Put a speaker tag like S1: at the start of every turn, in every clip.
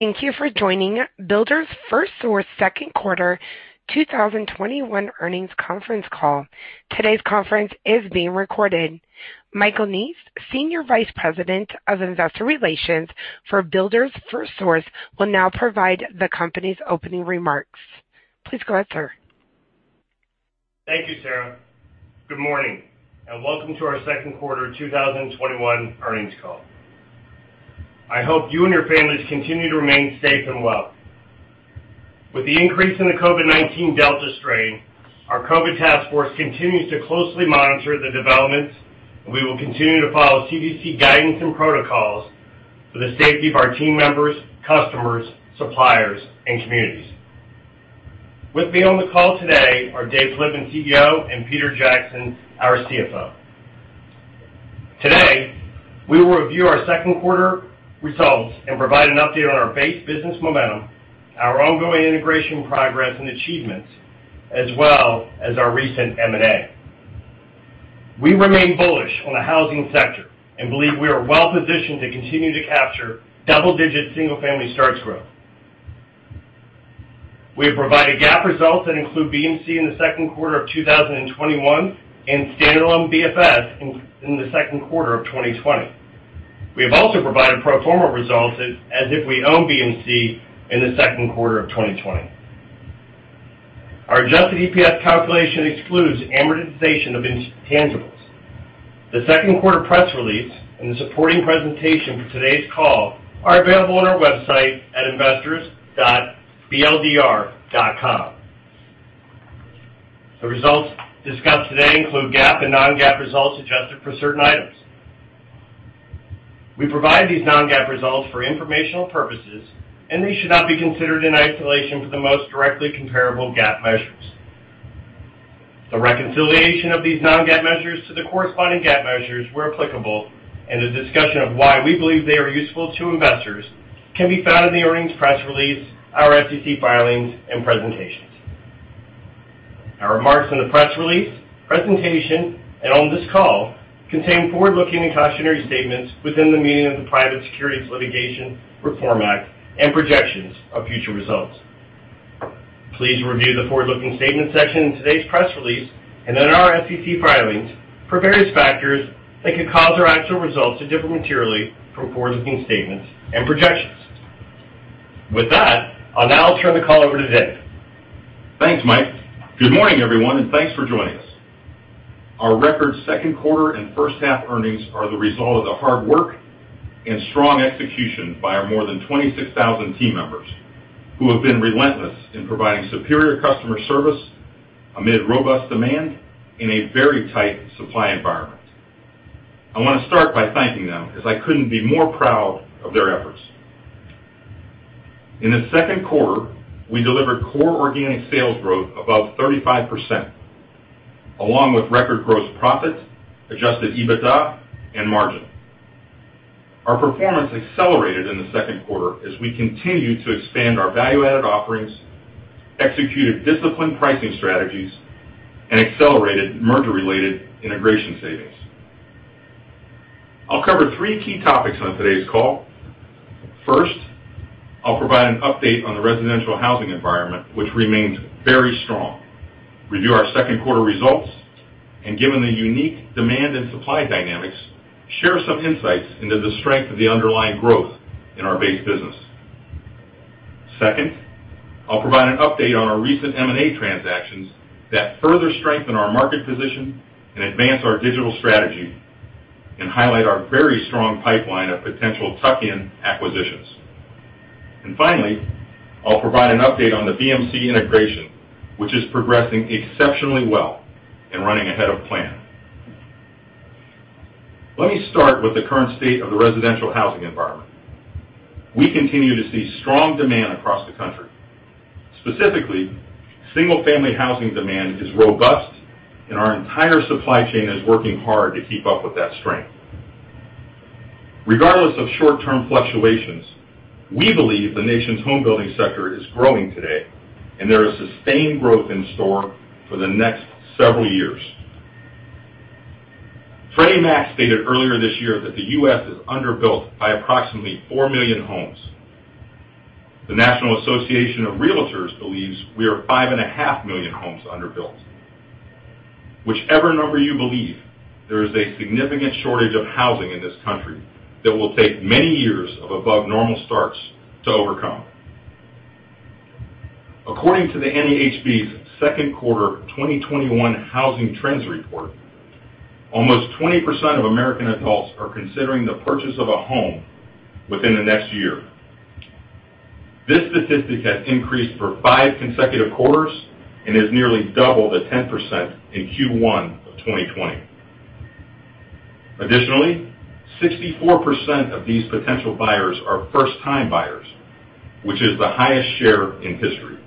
S1: Thank you for joining Builders FirstSource second quarter 2021 earnings conference call. Today's conference is being recorded. Michael Neese, Senior Vice President of Investor Relations for Builders FirstSource, will now provide the company's opening remarks. Please go ahead, sir.
S2: Thank you, Sarah. Good morning, and welcome to our second quarter 2021 earnings call. I hope you and your families continue to remain safe and well. With the increase in the COVID-19 Delta strain, our COVID task force continues to closely monitor the developments, and we will continue to follow CDC guidance and protocols for the safety of our team members, customers, suppliers, and communities. With me on the call today are Dave Flitman, CEO, and Peter Jackson, our CFO. Today, we will review our second quarter results and provide an update on our base business momentum, our ongoing integration progress and achievements, as well as our recent M&A. We remain bullish on the housing sector and believe we are well-positioned to continue to capture double-digit single-family starts growth. We have provided GAAP results that include BMC in the second quarter of 2021 and standalone BFS in the second quarter of 2020. We have also provided pro forma results as if we own BMC in the second quarter of 2020. Our adjusted EPS calculation excludes amortization of intangibles. The second quarter press release and the supporting presentation for today's call are available on our website at investors.bldr.com. The results discussed today include GAAP and non-GAAP results adjusted for certain items. We provide these non-GAAP results for informational purposes, and they should not be considered in isolation for the most directly comparable GAAP measures. The reconciliation of these non-GAAP measures to the corresponding GAAP measures, where applicable, and a discussion of why we believe they are useful to investors can be found in the earnings press release, our SEC filings, and presentations. Our remarks in the press release, presentation, and on this call contain forward-looking and cautionary statements within the meaning of the Private Securities Litigation Reform Act and projections of future results. Please review the forward-looking statements section in today's press release and in our SEC filings for various factors that could cause our actual results to differ materially from forward-looking statements and projections. With that, I'll now turn the call over to Dave.
S3: Thanks, Mike. Good morning, everyone, thanks for joining us. Our record second quarter and first-half earnings are the result of the hard work and strong execution by our more than 26,000 team members who have been relentless in providing superior customer service amid robust demand in a very tight supply environment. I want to start by thanking them as I couldn't be more proud of their efforts. In the second quarter, we delivered core organic sales growth above 35%, along with record gross profit, adjusted EBITDA, and margin. Our performance accelerated in the second quarter as we continued to expand our value-added offerings, executed disciplined pricing strategies, and accelerated merger-related integration savings. I'll cover three key topics on today's call. First, I'll provide an update on the residential housing environment, which remains very strong; review our second-quarter results, and given the unique demand and supply dynamics, share some insights into the strength of the underlying growth in our base business. Second, I'll provide an update on our recent M&A transactions that further strengthen our market position and advance our digital strategy and highlight our very strong pipeline of potential tuck-in acquisitions. Finally, I'll provide an update on the BMC integration, which is progressing exceptionally well and running ahead of plan. Let me start with the current state of the residential housing environment. We continue to see strong demand across the country. Specifically, single-family housing demand is robust, and our entire supply chain is working hard to keep up with that strength. Regardless of short-term fluctuations, we believe the nation's home building sector is growing today, and there is sustained growth in store for the next several years. Freddie Mac stated earlier this year that the U.S. is underbuilt by approximately 4 million homes. The National Association of Realtors believes we are 5.5 million homes underbuilt. Whichever number you believe, there is a significant shortage of housing in this country that will take many years of above-normal starts to overcome. According to the NAHB's second quarter 2021 Housing Trends report, almost 20% of American adults are considering the purchase of a home within the next year. This statistic has increased for five consecutive quarters and is nearly double the 10% in Q1 of 2020. Additionally, 64% of these potential buyers are first-time buyers, which is the highest share in history.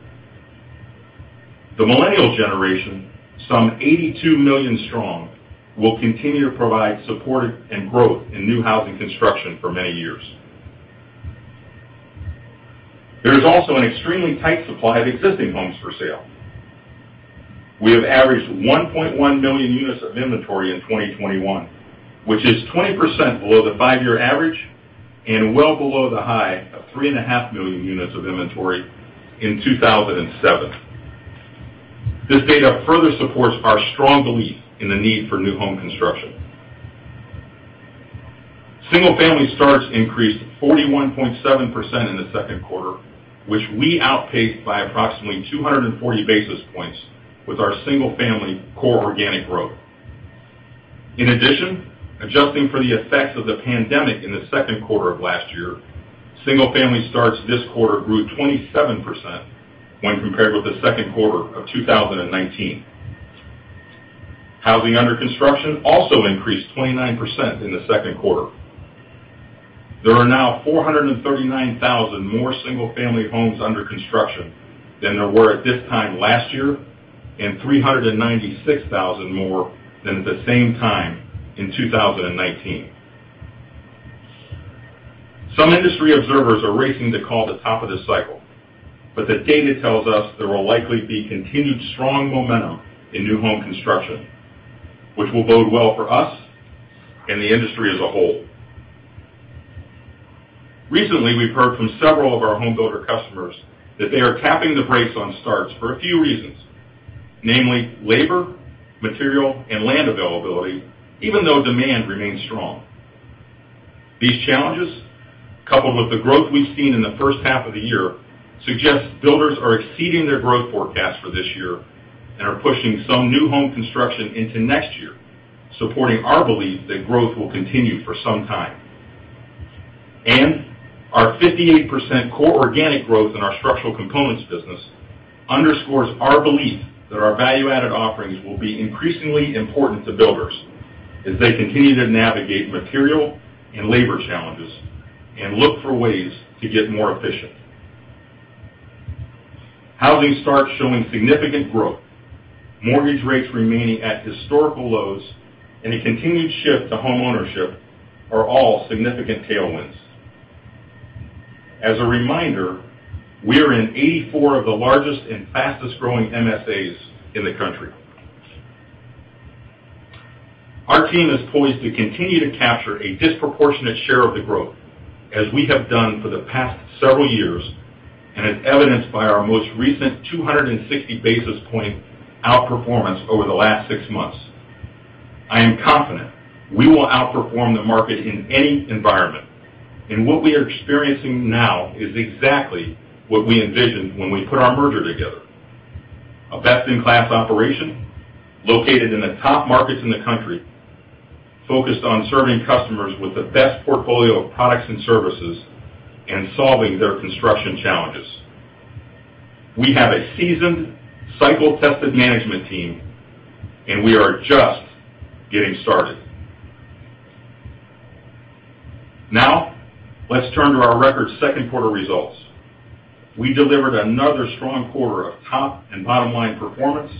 S3: The millennial generation, some 82 million strong, will continue to provide support and growth in new housing construction for many years. There is also an extremely tight supply of existing homes for sale. We have averaged 1.1 million units of inventory in 2021, which is 20% below the five-year average and well below the high of 3.5 million units of inventory in 2007. This data further supports our strong belief in the need for new home construction. Single-family starts increased 41.7% in the second quarter, which we outpaced by approximately 240 basis points with our single-family core organic growth. In addition, adjusting for the effects of the pandemic in the second quarter of last year, single-family starts this quarter grew 27% when compared with the second quarter of 2019. Housing under construction also increased 29% in the second quarter. There are now 439,000 more single-family homes under construction than there were at this time last year, and 396,000 more than at the same time in 2019. The data tells us there will likely be continued strong momentum in new home construction, which will bode well for us and the industry as a whole. Recently, we've heard from several of our home builder customers that they are tapping the brakes on starts for a few reasons, namely labor, material, and land availability, even though demand remains strong. These challenges, coupled with the growth we've seen in the first half of the year, suggests builders are exceeding their growth forecast for this year and are pushing some new home construction into next year, supporting our belief that growth will continue for some time. Our 58% core organic growth in our structural components business underscores our belief that our value-added offerings will be increasingly important to builders as they continue to navigate material and labor challenges and look for ways to get more efficient. Housing starts showing significant growth, mortgage rates remaining at historical lows, and a continued shift to homeownership are all significant tailwinds. As a reminder, we are in 84 of the largest and fastest-growing MSAs in the country. Our team is poised to continue to capture a disproportionate share of the growth, as we have done for the past several years and as evidenced by our most recent 260 basis point outperformance over the last six months. I am confident we will outperform the market in any environment, and what we are experiencing now is exactly what we envisioned when we put our merger together. A best-in-class operation located in the top markets in the country, focused on serving customers with the best portfolio of products and services and solving their construction challenges. We have a seasoned, cycle-tested management team. We are just getting started. Let's turn to our record second quarter results. We delivered another strong quarter of top and bottom-line performance.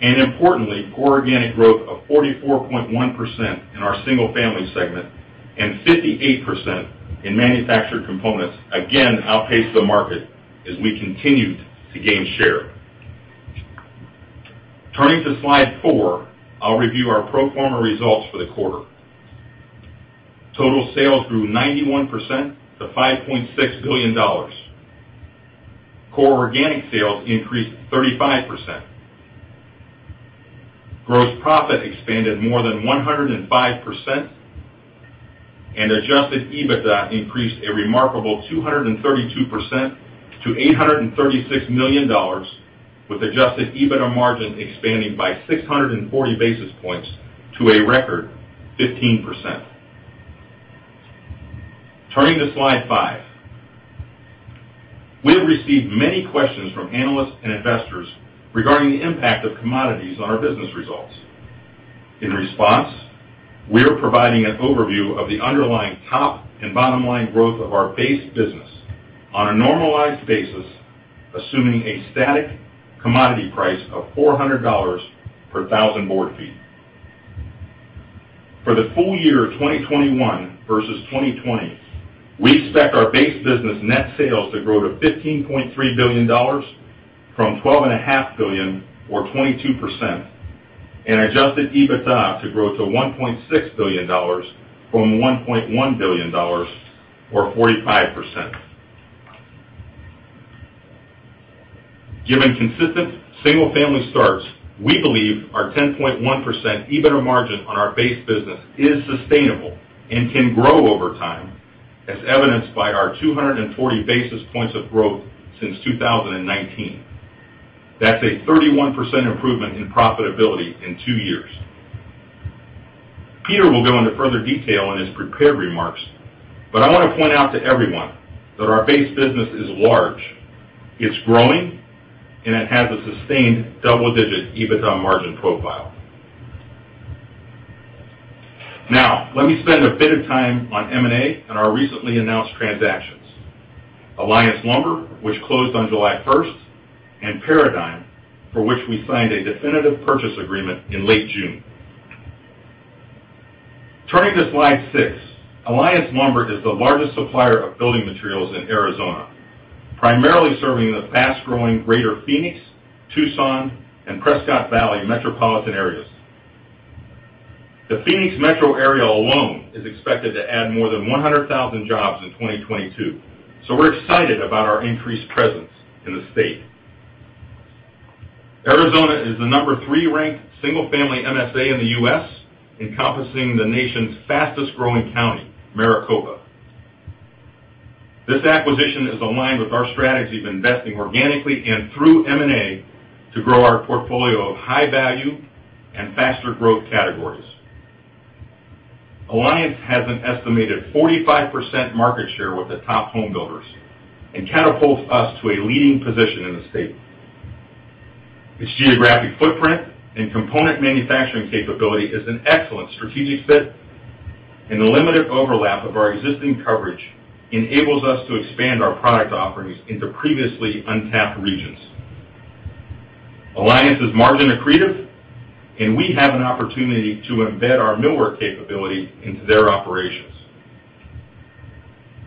S3: Importantly, core organic growth of 44.1% in our Single-Family segment and 58% in Manufactured components again outpaced the market as we continued to gain share. Turning to slide four, I'll review our pro forma results for the quarter. Total sales grew 91% to $5.6 billion. Core organic sales increased 35%. Gross profit expanded more than 105%. Adjusted EBITDA increased a remarkable 232% to $836 million, with adjusted EBITDA margin expanding by 640 basis points to a record 15%. Turning to slide five. We have received many questions from analysts and investors regarding the impact of commodities on our business results. In response, we are providing an overview of the underlying top and bottom-line growth of our base business on a normalized basis, assuming a static commodity price of $400 per thousand board feet. For the full year of 2021 versus 2020, we expect our base business net sales to grow to $15.3 billion from $12.5 billion, or 22%, and adjusted EBITDA to grow to $1.6 billion from $1.1 billion, or 45%. Given consistent single-family starts, we believe our 10.1% EBITDA margin on our base business is sustainable and can grow over time, as evidenced by our 240 basis points of growth since 2019. That's a 31% improvement in profitability in two years. Peter will go into further detail in his prepared remarks, but I want to point out to everyone that our base business is large, it's growing, and it has a sustained double-digit EBITDA margin profile. Let me spend a bit of time on M&A and our recently announced transactions. Alliance Lumber, which closed on July 1st, and Paradigm, for which we signed a definitive purchase agreement in late June. Turning to slide six. Alliance Lumber is the largest supplier of building materials in Arizona, primarily serving the fast-growing greater Phoenix, Tucson, and Prescott Valley metropolitan areas. The Phoenix metro area alone is expected to add more than 100,000 jobs in 2022, so we're excited about our increased presence in the state. Arizona is the number three ranked single-family MSA in the U.S., encompassing the nation's fastest-growing county, Maricopa. This acquisition is aligned with our strategy of investing organically and through M&A to grow our portfolio of high-value and faster growth categories. Alliance has an estimated 45% market share with the top home builders and catapults us to a leading position in the state. Its geographic footprint and component manufacturing capability is an excellent strategic fit, and the limited overlap of our existing coverage enables us to expand our product offerings into previously untapped regions. Alliance is margin accretive, and we have an opportunity to embed our millwork capability into their operations.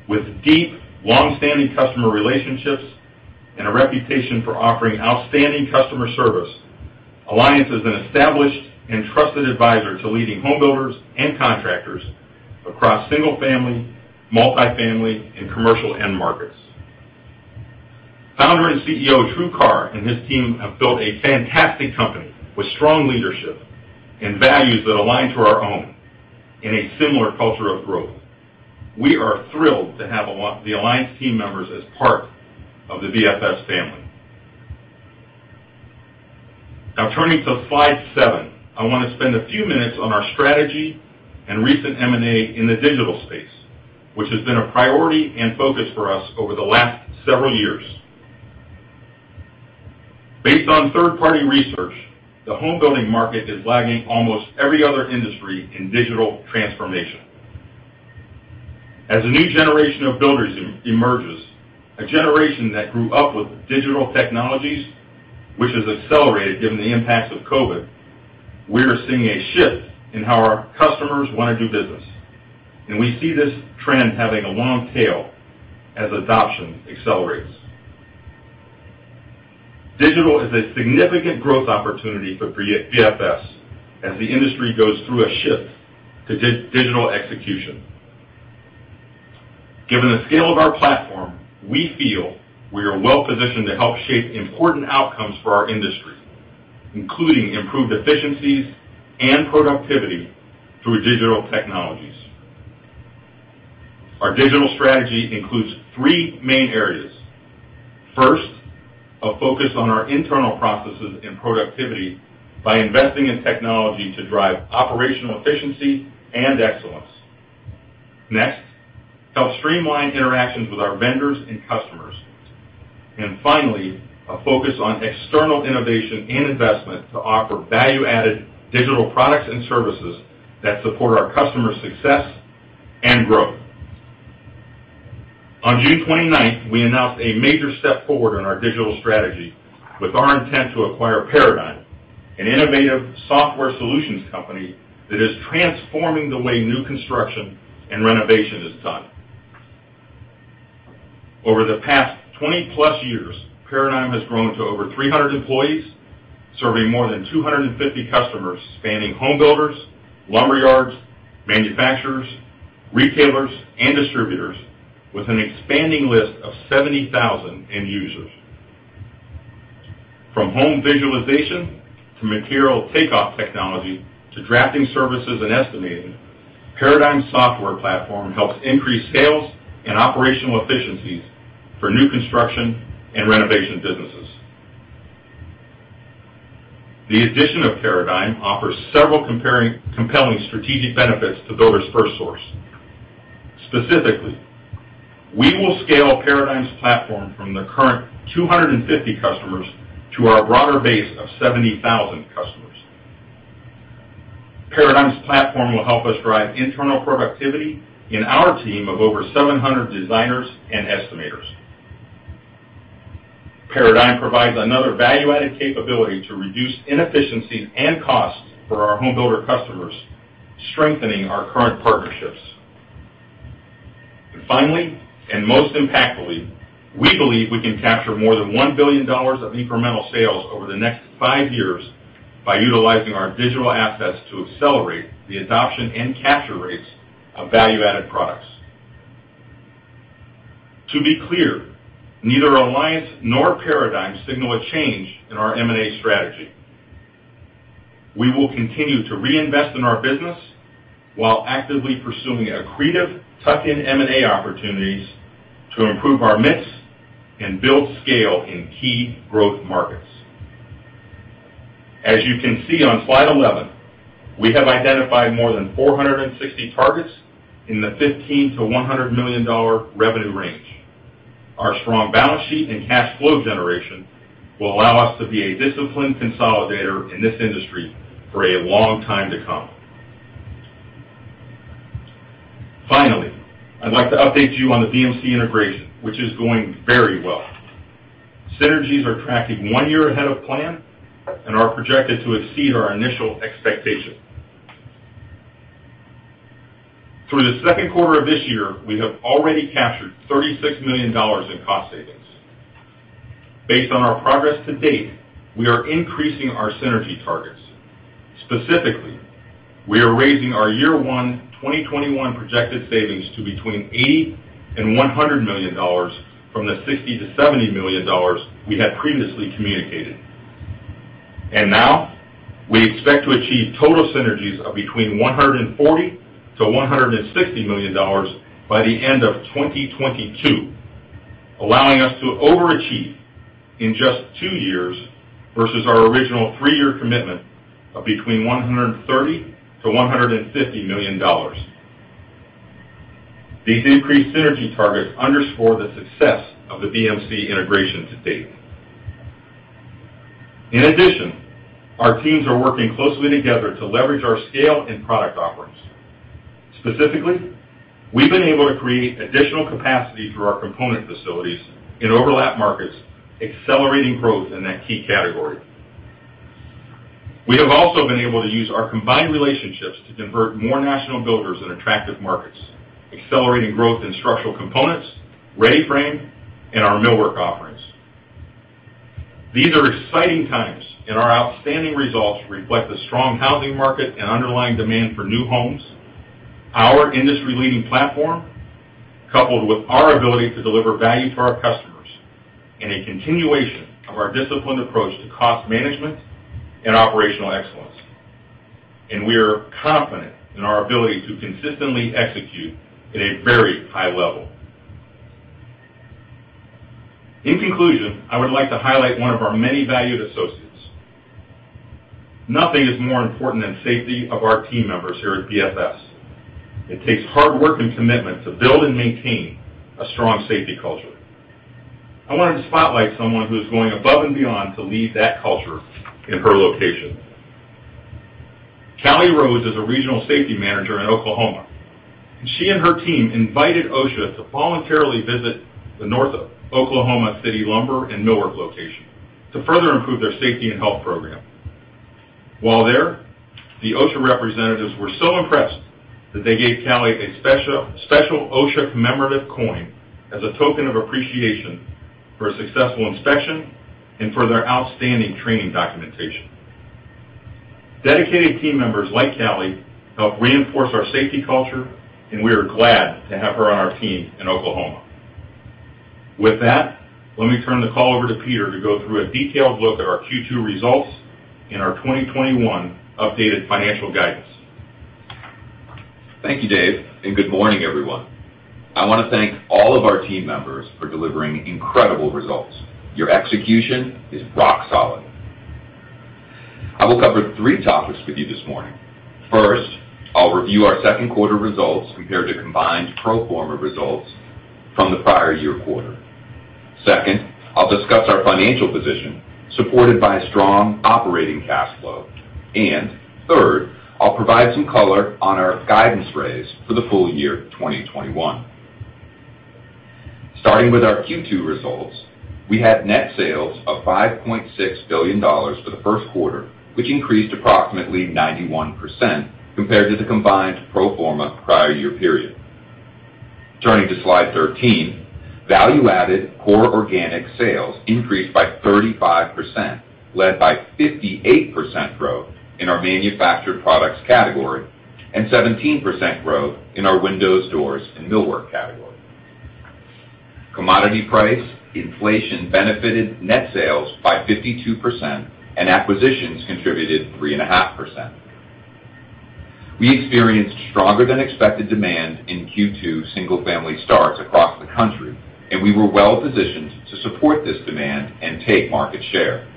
S3: With deep, long-standing customer relationships and a reputation for offering outstanding customer service, Alliance is an established and trusted advisor to leading home builders and contractors across single-family, multi-family and commercial end markets. Founder and CEO, True Carr, and his team have built a fantastic company with strong leadership and values that align to our own in a similar culture of growth. We are thrilled to have the Alliance team members as part of the BFS family. Now turning to slide seven. I want to spend a few minutes on our strategy and recent M&A in the digital space, which has been a priority and focus for us over the last several years. Based on third-party research, the home building market is lagging almost every other industry in digital transformation. As a new generation of builders emerges, a generation that grew up with digital technologies, which has accelerated given the impacts of COVID-19, we are seeing a shift in how our customers want to do business, and we see this trend having a long tail as adoption accelerates. Digital is a significant growth opportunity for BFS as the industry goes through a shift to digital execution. Given the scale of our platform, we feel we are well-positioned to help shape important outcomes for our industry, including improved efficiencies and productivity through digital technologies. Our digital strategy includes three main areas. First, a focus on our internal processes and productivity by investing in technology to drive operational efficiency and excellence. Next, help streamline interactions with our vendors and customers. Finally, a focus on external innovation and investment to offer value-added digital products and services that support our customers' success and growth. On June 29th, we announced a major step forward in our digital strategy with our intent to acquire Paradigm, an innovative software solutions company that is transforming the way new construction and renovation is done. Over the past 20+ years, Paradigm has grown to over 300 employees, serving more than 250 customers spanning home builders, lumber yards, manufacturers, retailers, and distributors with an expanding list of 70,000 end users. From home visualization to material takeoff technology to drafting services and estimating, Paradigm's software platform helps increase sales and operational efficiencies for new construction and renovation businesses. The addition of Paradigm offers several compelling strategic benefits to Builders FirstSource. Specifically, we will scale Paradigm's platform from the current 250 customers to our broader base of 70,000 customers. Paradigm's platform will help us drive internal productivity in our team of over 700 designers and estimators. Paradigm provides another value-added capability to reduce inefficiencies and costs for our home builder customers, strengthening our current partnerships. Finally, and most impactfully, we believe we can capture more than $1 billion of incremental sales over the next five years by utilizing our digital assets to accelerate the adoption and capture rates of value-added products. To be clear, neither Alliance nor Paradigm signal a change in our M&A strategy. We will continue to reinvest in our business while actively pursuing accretive tuck-in M&A opportunities to improve our mix and build scale in key growth markets. As you can see on slide 11, we have identified more than 460 targets in the $15 million-$100 million revenue range. Our strong balance sheet and cash flow generation will allow us to be a disciplined consolidator in this industry for a long time to come. Finally, I'd like to update you on the BMC integration, which is going very well. Synergies are tracking one year ahead of plan and are projected to exceed our initial expectations. Through the second quarter of this year, we have already captured $36 million in cost savings. Based on our progress to date, we are increasing our synergy targets. Specifically, we are raising our year one 2021 projected savings to between $80 million and $100 million from the $60 million-$70 million we had previously communicated. Now we expect to achieve total synergies of between $140 million-$160 million by the end of 2022, allowing us to overachieve in just two years versus our original three-year commitment of between $130 million-$150 million. These increased synergy targets underscore the success of the BMC integration to date. In addition, our teams are working closely together to leverage our scale and product offerings. Specifically, we've been able to create additional capacity through our component facilities in overlap markets, accelerating growth in that key category. We have also been able to use our combined relationships to convert more national builders in attractive markets, accelerating growth in structural components, READY-FRAME, and our millwork offerings. These are exciting times. Our outstanding results reflect the strong housing market and underlying demand for new homes, our industry-leading platform, coupled with our ability to deliver value to our customers in a continuation of our disciplined approach to cost management and operational excellence. We are confident in our ability to consistently execute at a very high level. In conclusion, I would like to highlight one of our many valued associates. Nothing is more important than safety of our team members here at BFS. It takes hard work and commitment to build and maintain a strong safety culture. I wanted to spotlight someone who's going above and beyond to lead that culture in her location. Callie Rose is a Regional Safety Manager in Oklahoma, and she and her team invited OSHA to voluntarily visit the North Oklahoma City lumber and millwork location to further improve their safety and health program. While there, the OSHA representatives were so impressed that they gave Callie a special OSHA commemorative coin as a token of appreciation for a successful inspection and for their outstanding training documentation. Dedicated team members like Callie help reinforce our safety culture, and we are glad to have her on our team in Oklahoma. With that, let me turn the call over to Peter to go through a detailed look at our Q2 results and our 2021 updated financial guidance.
S4: Thank you, Dave, and good morning, everyone. I want to thank all of our team members for delivering incredible results. Your execution is rock solid. I will cover three topics with you this morning. First, I'll review our second quarter results compared to combined pro forma results from the prior year quarter. Second, I'll discuss our financial position, supported by strong operating cash flow. Third, I'll provide some color on our guidance raise for the full year 2021. Starting with our Q2 results, we had net sales of $5.6 billion for the first quarter, which increased approximately 91% compared to the combined pro forma prior year period. Turning to slide 13, value-added core organic sales increased by 35%, led by 58% growth in our manufactured products category and 17% growth in our windows, doors, and millwork category. Commodity price inflation benefited net sales by 52%, and acquisitions contributed 3.5%. We experienced stronger than expected demand in Q2 single-family starts across the country, and we were well-positioned to support this demand and take market share.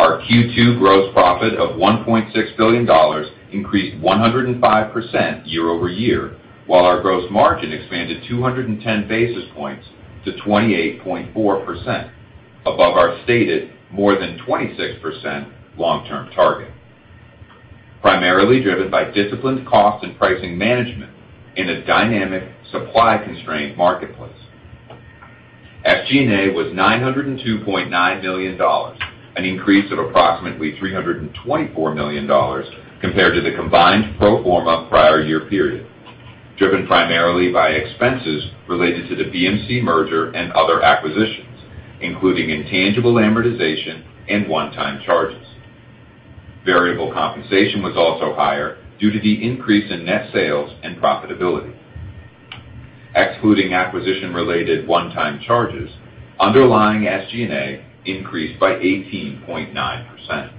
S4: Our Q2 gross profit of $1.6 billion increased 105% year-over-year, while our gross margin expanded 210 basis points to 28.4%, above our stated more than 26% long-term target, primarily driven by disciplined cost and pricing management in a dynamic supply-constrained marketplace. SG&A was $902.9 million, an increase of approximately $324 million compared to the combined pro forma prior year period, driven primarily by expenses related to the BMC merger and other acquisitions, including intangible amortization and one-time charges. Variable compensation was also higher due to the increase in net sales and profitability. Excluding acquisition-related one-time charges, underlying SG&A increased by 18.9%.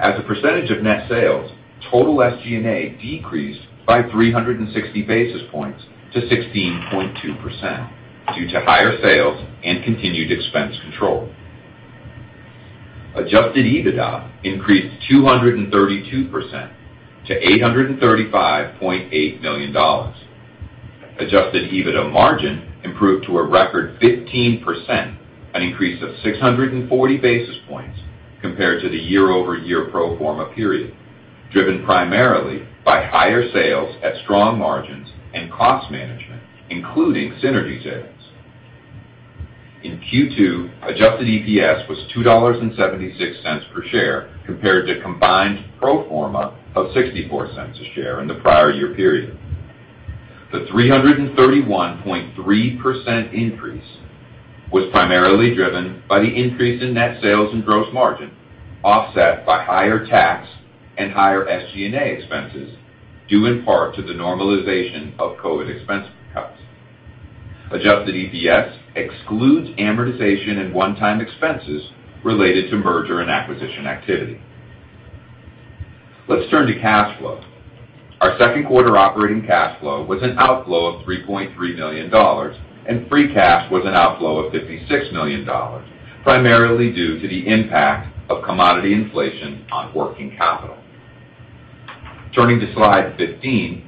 S4: As a % of net sales, total SG&A decreased by 360 basis points to 16.2% due to higher sales and continued expense control. Adjusted EBITDA increased 232% to $835.8 million. Adjusted EBITDA margin improved to a record 15%. An increase of 640 basis points compared to the year-over-year pro forma period, driven primarily by higher sales at strong margins and cost management, including synergy savings. In Q2, Adjusted EPS was $2.76 per share compared to combined pro forma of $0.64 a share in the prior year period. The 331.3% increase was primarily driven by the increase in net sales and gross margin, offset by higher tax and higher SG&A expenses, due in part to the normalization of COVID expense cuts. Adjusted EPS excludes amortization and one-time expenses related to merger and acquisition activity. Let's turn to cash flow. Our second quarter operating cash flow was an outflow of $3.3 million, and free cash was an outflow of $56 million, primarily due to the impact of commodity inflation on working capital. Turning to slide 15.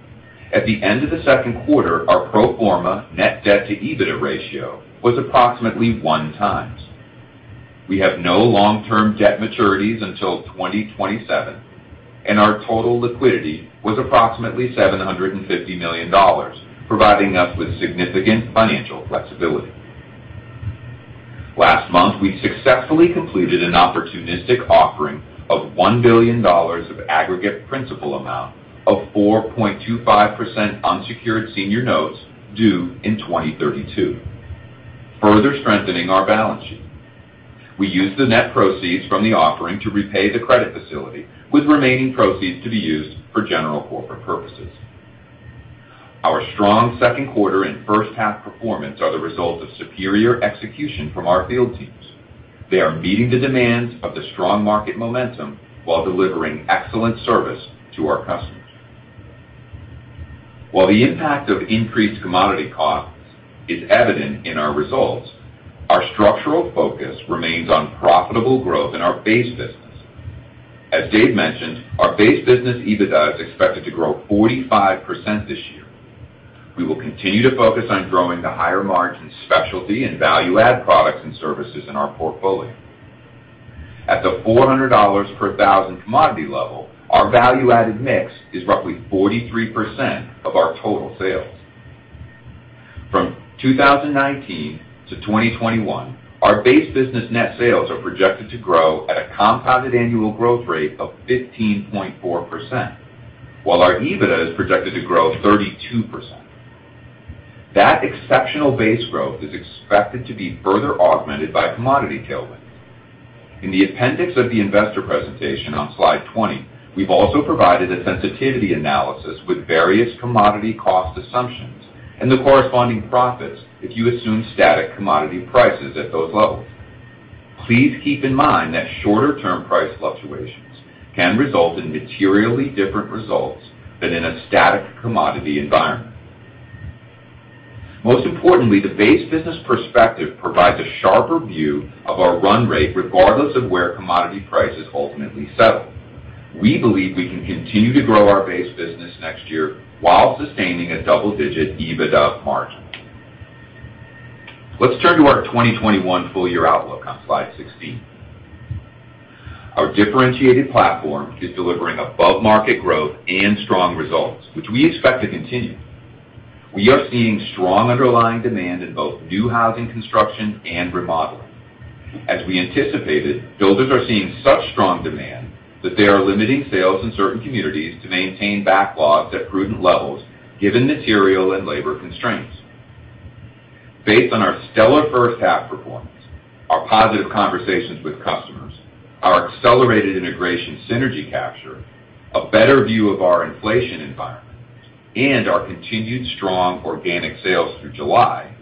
S4: At the end of the second quarter, our pro forma net debt to EBITDA ratio was approximately 1x. We have no long-term debt maturities until 2027, and our total liquidity was approximately $750 million, providing us with significant financial flexibility. Last month, we successfully completed an opportunistic offering of $1 billion of aggregate principal amount of 4.25% unsecured senior notes due in 2032, further strengthening our balance sheet. We used the net proceeds from the offering to repay the credit facility, with remaining proceeds to be used for general corporate purposes. Our strong second quarter and first half performance are the result of superior execution from our field teams. They are meeting the demands of the strong market momentum while delivering excellent service to our customers. While the impact of increased commodity costs is evident in our results, our structural focus remains on profitable growth in our base business. As Dave mentioned, our base business EBITDA is expected to grow 45% this year. We will continue to focus on growing the higher-margin specialty and value-add products and services in our portfolio. At the $400 per thousand commodity level, our value-added mix is roughly 43% of our total sales. From 2019-2021, our base business net sales are projected to grow at a compounded annual growth rate of 15.4%, while our EBITDA is projected to grow 32%. That exceptional base growth is expected to be further augmented by commodity tailwinds. In the appendix of the investor presentation on slide 20, we've also provided a sensitivity analysis with various commodity cost assumptions and the corresponding profits if you assume static commodity prices at those levels. Please keep in mind that shorter-term price fluctuations can result in materially different results than in a static commodity environment. Most importantly, the base business perspective provides a sharper view of our run rate, regardless of where commodity prices ultimately settle. We believe we can continue to grow our base business next year while sustaining a double-digit EBITDA margin. Let's turn to our 2021 full-year outlook on slide 16. Our differentiated platform is delivering above-market growth and strong results, which we expect to continue. We are seeing strong underlying demand in both new housing construction and remodeling. As we anticipated, builders are seeing such strong demand that they are limiting sales in certain communities to maintain backlogs at prudent levels given material and labor constraints. Based on our stellar 1st half performance, our positive conversations with customers, our accelerated integration synergy capture, a better view of our inflation environment, and our continued strong organic sales through July,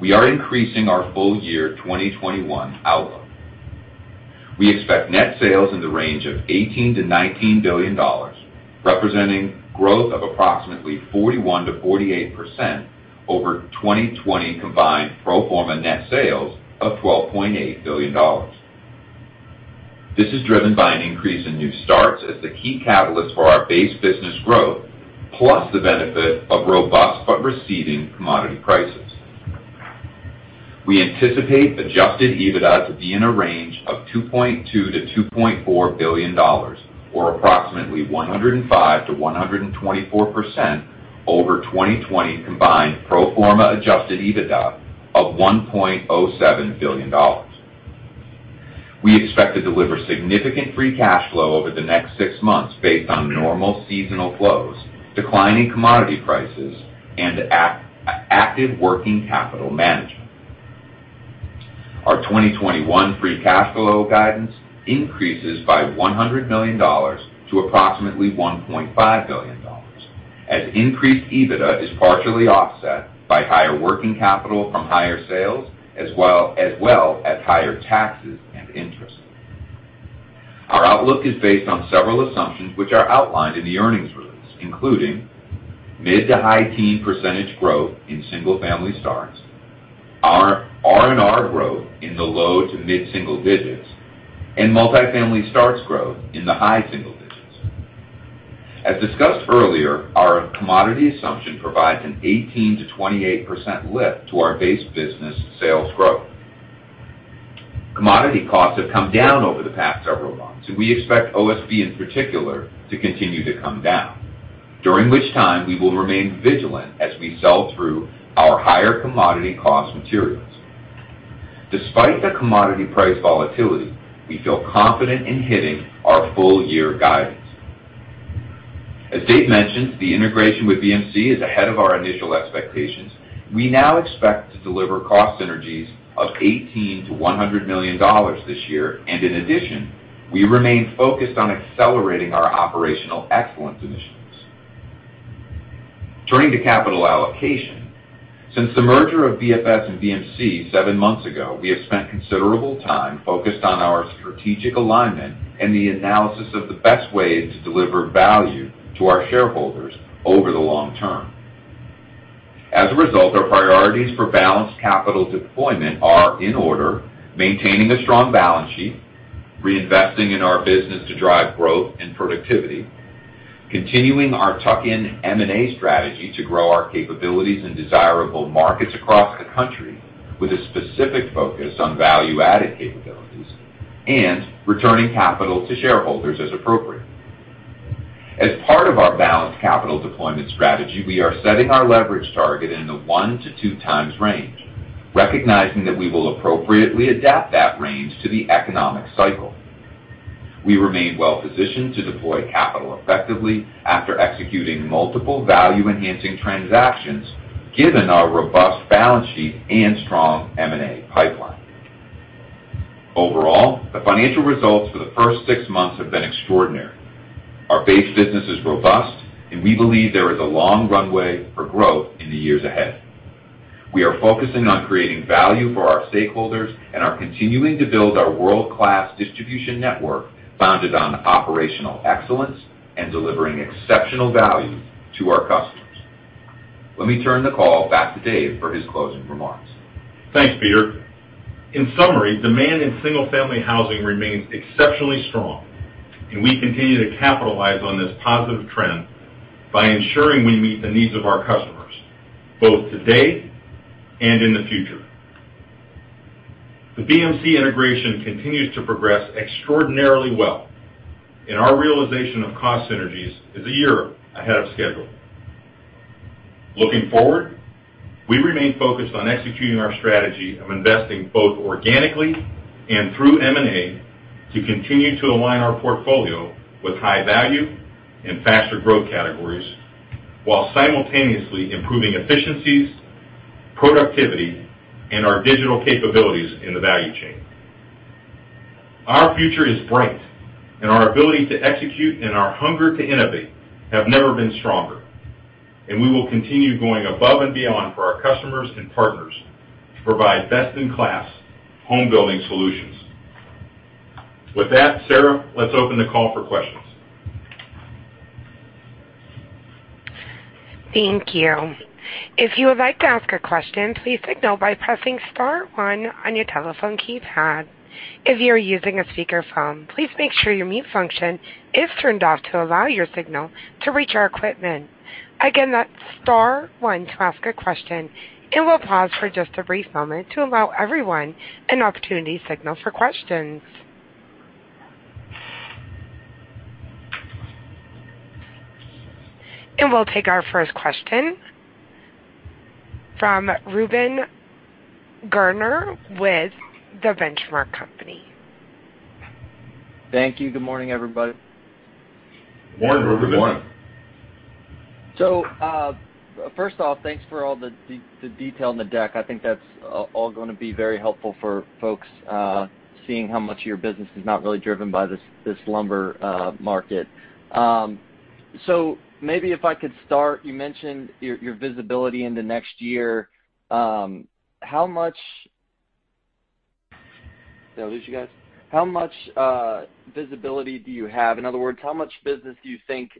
S4: we are increasing our full year 2021 outlook. We expect net sales in the range of $18 billion-$19 billion, representing growth of approximately 41%-48% over 2020 combined pro forma net sales of $12.8 billion. This is driven by an increase in new starts as the key catalyst for our base business growth, plus the benefit of robust but receding commodity prices. We anticipate adjusted EBITDA to be in a range of $2.2 billion-$2.4 billion, or approximately 105%-124% over 2020 combined pro forma adjusted EBITDA of $1.07 billion. We expect to deliver significant free cash flow over the next six months based on normal seasonal flows, declining commodity prices, and active working capital management. Our 2021 free cash flow guidance increases by $100 million to approximately $1.5 billion, as increased EBITDA is partially offset by higher working capital from higher sales as well as higher taxes and interest. Our outlook is based on several assumptions which are outlined in the earnings release, including mid to high teen % growth in single-family starts, our R&R growth in the low to mid-single digits, and multifamily starts growth in the high single digits. As discussed earlier, our commodity assumption provides an 18%-28% lift to our base business sales growth. Commodity costs have come down over the past several months, and we expect OSB in particular to continue to come down, during which time we will remain vigilant as we sell through our higher commodity cost materials. Despite the commodity price volatility, we feel confident in hitting our full-year guidance. As Dave mentioned, the integration with BMC is ahead of our initial expectations. We now expect to deliver cost synergies of $80 million-$100 million this year. In addition, we remain focused on accelerating our operational excellence initiatives. Turning to capital allocation. Since the merger of BFS and BMC seven months ago, we have spent considerable time focused on our strategic alignment and the analysis of the best way to deliver value to our shareholders over the long term. As a result, our priorities for balanced capital deployment are, in order: maintaining a strong balance sheet, reinvesting in our business to drive growth and productivity, continuing our tuck-in M&A strategy to grow our capabilities in desirable markets across the country with a specific focus on value-added capabilities, and returning capital to shareholders as appropriate. As part of our balanced capital deployment strategy, we are setting our leverage target in the 1x:2x range, recognizing that we will appropriately adapt that range to the economic cycle. We remain well-positioned to deploy capital effectively after executing multiple value-enhancing transactions, given our robust balance sheet and strong M&A pipeline. Overall, the financial results for the first six months have been extraordinary. Our base business is robust, and we believe there is a long runway for growth in the years ahead. We are focusing on creating value for our stakeholders and are continuing to build our world-class distribution network founded on operational excellence and delivering exceptional value to our customers. Let me turn the call back to Dave for his closing remarks.
S3: Thanks, Peter. In summary, demand in single-family housing remains exceptionally strong. We continue to capitalize on this positive trend by ensuring we meet the needs of our customers, both today and in the future. The BMC integration continues to progress extraordinarily well. Our realization of cost synergies is a year ahead of schedule. Looking forward, we remain focused on executing our strategy of investing both organically and through M&A to continue to align our portfolio with high-value and faster growth categories while simultaneously improving efficiencies, productivity, and our digital capabilities in the value chain. Our future is bright. Our ability to execute and our hunger to innovate have never been stronger. We will continue going above and beyond for our customers and partners to provide best-in-class home building solutions. With that, Sarah, let's open the call for questions.
S1: Thank you. If you would like to ask a question, please signal by pressing star one on your telephone keypad. If you are using a speakerphone, please make sure your mute function is turned off to allow your signal to reach our equipment. Again, that's star one to ask a question. We'll pause for just a brief moment to allow everyone an opportunity to signal for questions. We'll take our first question from Reuben Garner with The Benchmark Company.
S5: Thank you. Good morning, everybody.
S3: Morning, Reuben.
S4: Good morning.
S5: First off, thanks for all the detail in the deck. I think that's all going to be very helpful for folks seeing how much of your business is not really driven by this lumber market. Maybe if I could start, you mentioned your visibility into next year. Did I lose you guys? How much visibility do you have? In other words, how much business do you think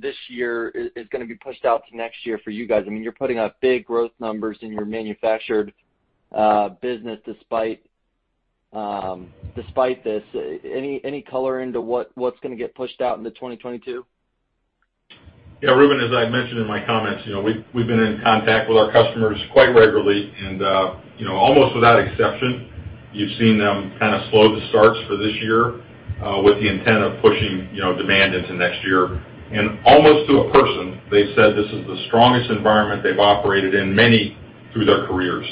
S5: this year is going to be pushed out to next year for you guys? You're putting up big growth numbers in your manufactured business despite this. Any color into what's going to get pushed out into 2022?
S3: Yeah, Reuben, as I mentioned in my comments, we've been in contact with our customers quite regularly, and almost without exception, you've seen them kind of slow the starts for this year with the intent of pushing demand into next year. Almost to a person, they've said this is the strongest environment they've operated in many through their careers.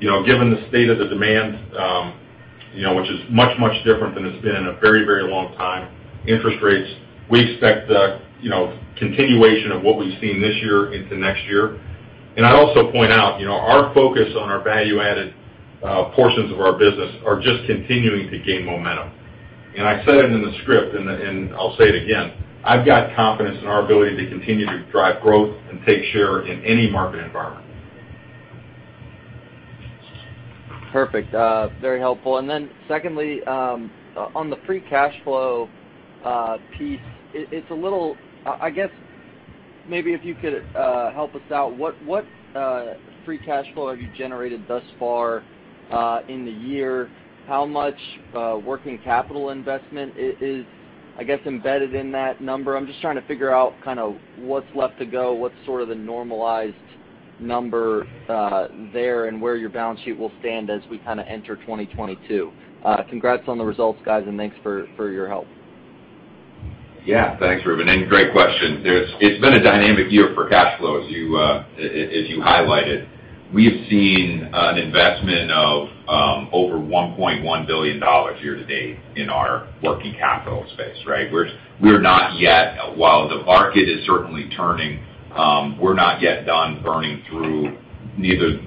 S3: Given the state of the demand, which is much, much different than it's been in a very, very long time, interest rates, we expect the continuation of what we've seen this year into next year. I'd also point out, our focus on our value-added portions of our business are just continuing to gain momentum. I said it in the script, and I'll say it again, I've got confidence in our ability to continue to drive growth and take share in any market environment.
S5: Perfect. Very helpful. Secondly, on the free cash flow piece, maybe if you could help us out. What free cash flow have you generated thus far in the year? How much working capital investment is embedded in that number? I'm just trying to figure out what's left to go, what's sort of the normalized number there, and where your balance sheet will stand as we enter 2022. Congrats on the results, guys, thanks for your help.
S4: Thanks, Reuben, great question. It's been a dynamic year for cash flow, as you highlighted. We have seen an investment of over $1.1 billion year-to-date in our working capital space, right? The market is certainly turning, we're not yet done burning through either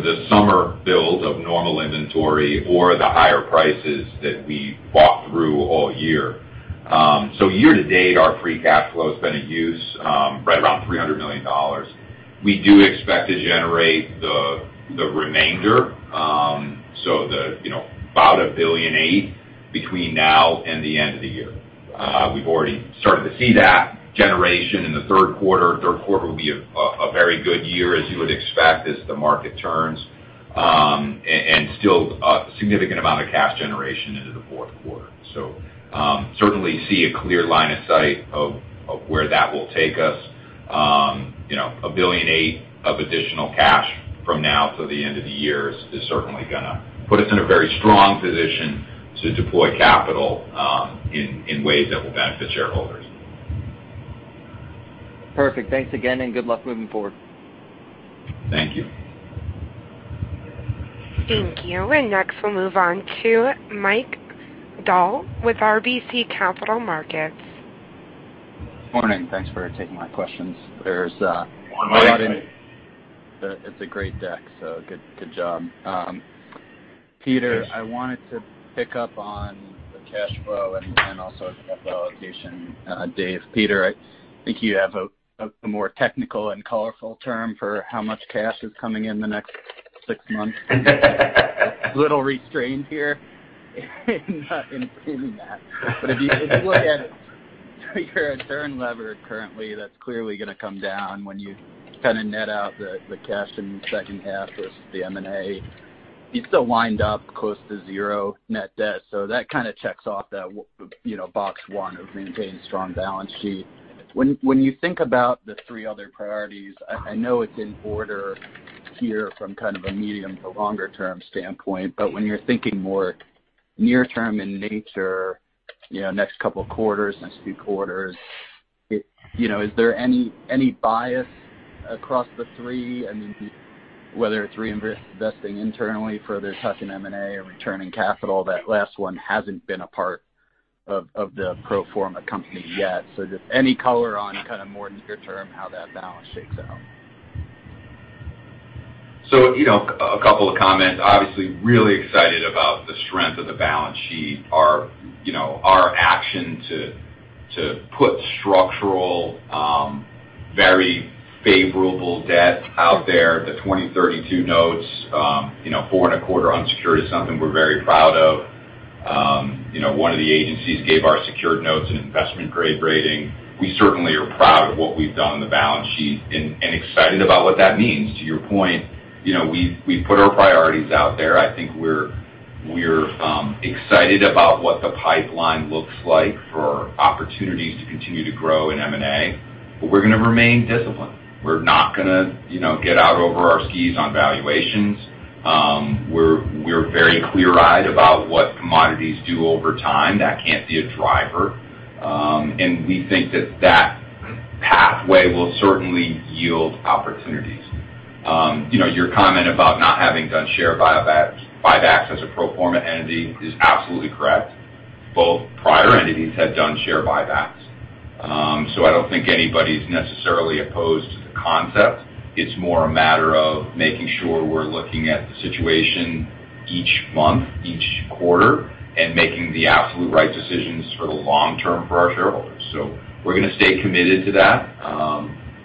S4: the summer build of normal inventory or the higher prices that we walked through all year. Year-to-date, our free cash flow has been at use right around $300 million. We do expect to generate the remainder, about $1.8 billion, between now and the end of the year. We've already started to see that generation in the third quarter. Third quarter will be a very good year, as you would expect, as the market turns, still a significant amount of cash generation into the fourth quarter. Certainly see a clear line of sight of where that will take us. $1.8 billion of additional cash from now till the end of the year is certainly going to put us in a very strong position to deploy capital in ways that will benefit shareholders.
S5: Perfect. Thanks again, and good luck moving forward.
S4: Thank you.
S1: Thank you. Next, we'll move on to Mike Dahl with RBC Capital Markets.
S6: Morning. Thanks for taking my questions.
S4: Morning, Mike.
S6: It's a great deck, so good job. Peter, I wanted to pick up on the cash flow and also capital allocation, Dave. Peter, I think you have a more technical and colorful term for how much cash is coming in the next six months. A little restrained here in not including that. If you look at your net leverage currently, that's clearly going to come down when you net out the cash in the second half with the M&A. You're still wind up close to 0 net debt. That checks off that box one of maintaining strong balance sheet. When you think about the three other priorities, I know it's in order here from kind of a medium to longer term standpoint, but when you're thinking more near term in nature, next couple of quarters, next few quarters, is there any bias across the three? Whether it's reinvesting internally, further tuck-in M&A, or returning capital, that last one hasn't been a part of the pro forma company yet. Just any color on kind of more near term, how that balance shakes out.
S4: A couple of comments. Really excited about the strength of the balance sheet. Our action to put structural, very favorable debt out there, the 2032 notes, 4.25% unsecured is something we're very proud of. One of the agencies gave our secured notes an investment-grade rating. We certainly are proud of what we've done on the balance sheet and excited about what that means. To your point, we've put our priorities out there. I think we're excited about what the pipeline looks like for opportunities to continue to grow in M&A, we're going to remain disciplined. We're not going to get out over our skis on valuations. We're very clear-eyed about what commodities do over time. That can't be a driver. We think that that pathway will certainly yield opportunities. Your comment about not having done share buybacks as a pro forma entity is absolutely correct. Both prior entities had done share buybacks. I don't think anybody's necessarily opposed to the concept. It's more a matter of making sure we're looking at the situation each month, each quarter, and making the absolute right decisions for the long term for our shareholders. We're going to stay committed to that,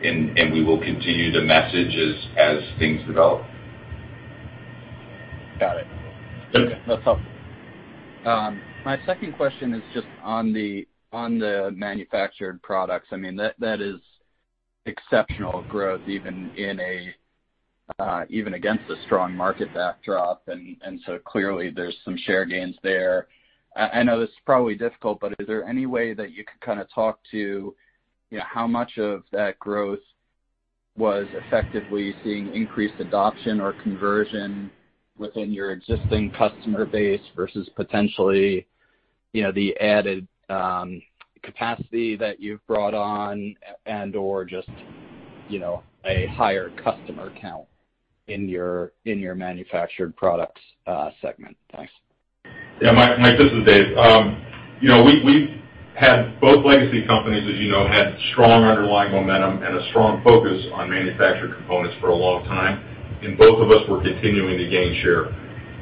S4: and we will continue to message as things develop.
S6: Got it. That's helpful. My second question is just on the manufactured products. That is exceptional growth, even against a strong market backdrop. Clearly, there's some share gains there. I know this is probably difficult, is there any way that you could kind of talk to how much of that growth was effectively seeing increased adoption or conversion within your existing customer base versus potentially the added capacity that you've brought on and/or just a higher customer count in your Manufactured Products segment? Thanks.
S3: Yeah, Mike, this is Dave. Both legacy companies, as you know, had strong underlying momentum and a strong focus on manufactured components for a long time, and both of us were continuing to gain share.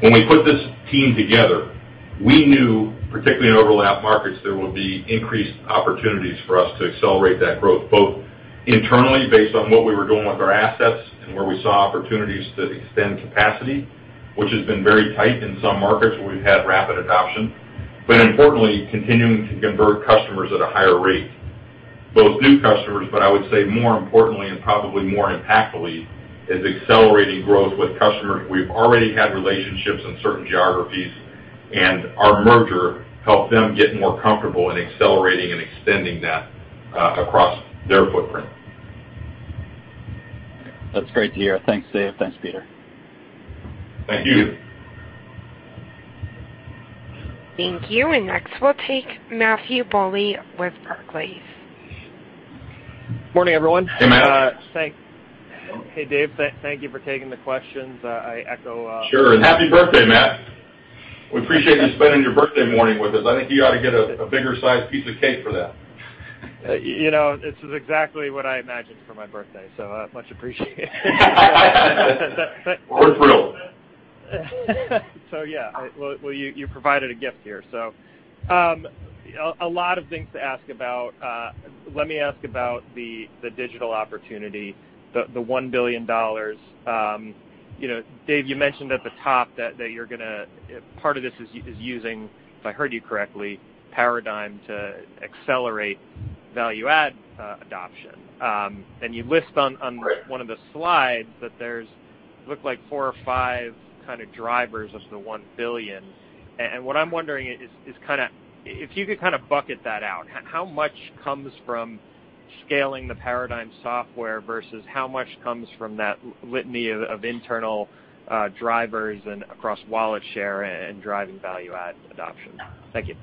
S3: When we put this team together, we knew, particularly in overlap markets, there would be increased opportunities for us to accelerate that growth, both internally, based on what we were doing with our assets and where we saw opportunities to extend capacity, which has been very tight in some markets where we've had rapid adoption. Importantly, continuing to convert customers at a higher rate. Both new customers. I would say more importantly and probably more impactfully, is accelerating growth with customers we've already had relationships in certain geographies. Our merger helped them get more comfortable in accelerating and extending that across their footprint.
S6: That's great to hear. Thanks, Dave. Thanks, Peter.
S3: Thank you.
S1: Thank you. Next, we'll take Matthew Bouley with Barclays.
S7: Morning, everyone.
S3: Hey, Matt.
S7: Hey, Dave. Thank you for taking the questions.
S3: Sure, happy birthday, Matt. We appreciate you spending your birthday morning with us. I think you ought to get a bigger size piece of cake for that.
S7: This is exactly what I imagined for my birthday, so much appreciated.
S3: For real.
S7: Yeah. You provided a gift here. A lot of things to ask about. Let me ask about the digital opportunity, the $1 billion. Dave, you mentioned at the top that part of this is using, if I heard you correctly, Paradigm to accelerate value-add adoption. You list on one of the slides that there's, looked like four or five kind of drivers of the $1 billion. What I'm wondering is, if you could kind of bucket that out, how much comes from scaling the Paradigm software versus how much comes from that litany of internal drivers and across wallet share and driving value-add adoption? Thank you.